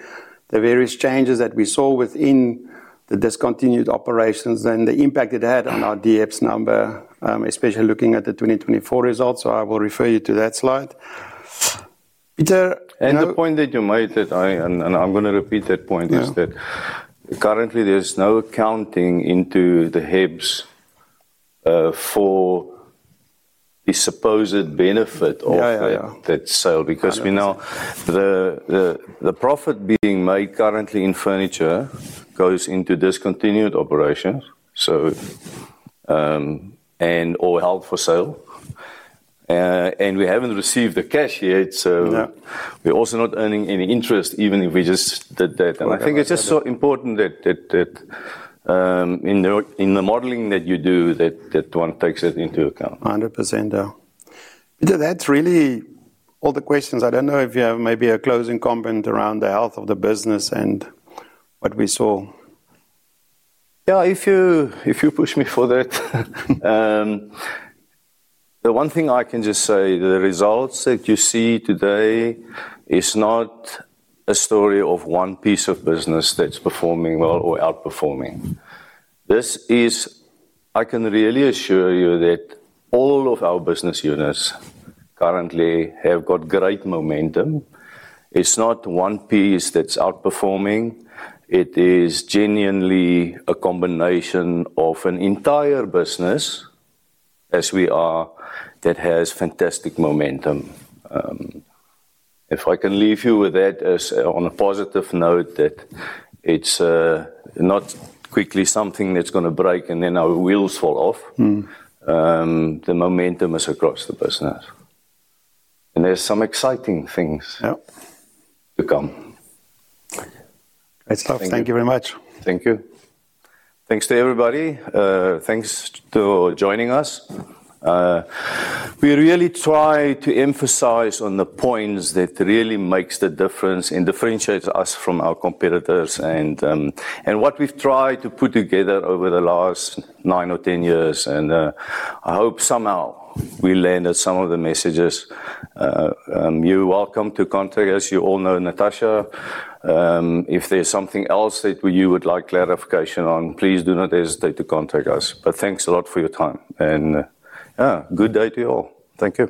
the various changes that we saw within the discontinued operations and the impact it had on our DHEPS number, especially looking at the 2024 results. I will refer you to that slide. The point that you made, and I'm going to repeat that point, is that currently there's no counting into the HEPS for the supposed benefit of that sale because we know the profit being made currently in furniture goes into discontinued operations and/or held for sale. We haven't received the cash yet, so we're also not earning any interest even if we just did that. I think it's just so important that in the modeling that you do, that one takes it into account. 100%. That's really all the questions. I don't know if you have maybe a closing comment around the health of the business and what we saw. If you push me for that, the one thing I can just say, the results that you see today is not a story of one piece of business that's performing well or outperforming. This is, I can really assure you that all of our business units currently have got great momentum. It's not one piece that's outperforming. It is genuinely a combination of an entire business, as we are, that has fantastic momentum. If I can leave you with that on a positive note, it's not quickly something that's going to break and then our wheels fall off. The momentum is across the business. There's some exciting things to come. It's tough. Thank you very much. Thank you. Thanks to everybody. Thanks for joining us. We really try to emphasize the points that really make the difference and differentiate us from our competitors. What we've tried to put together over the last nine or 10 years, I hope somehow we landed some of the messages. You're welcome to contact us. You all know Natasha. If there's something else that you would like clarification on, please do not hesitate to contact us. Thanks a lot for your time. Good day to you all. Thank you.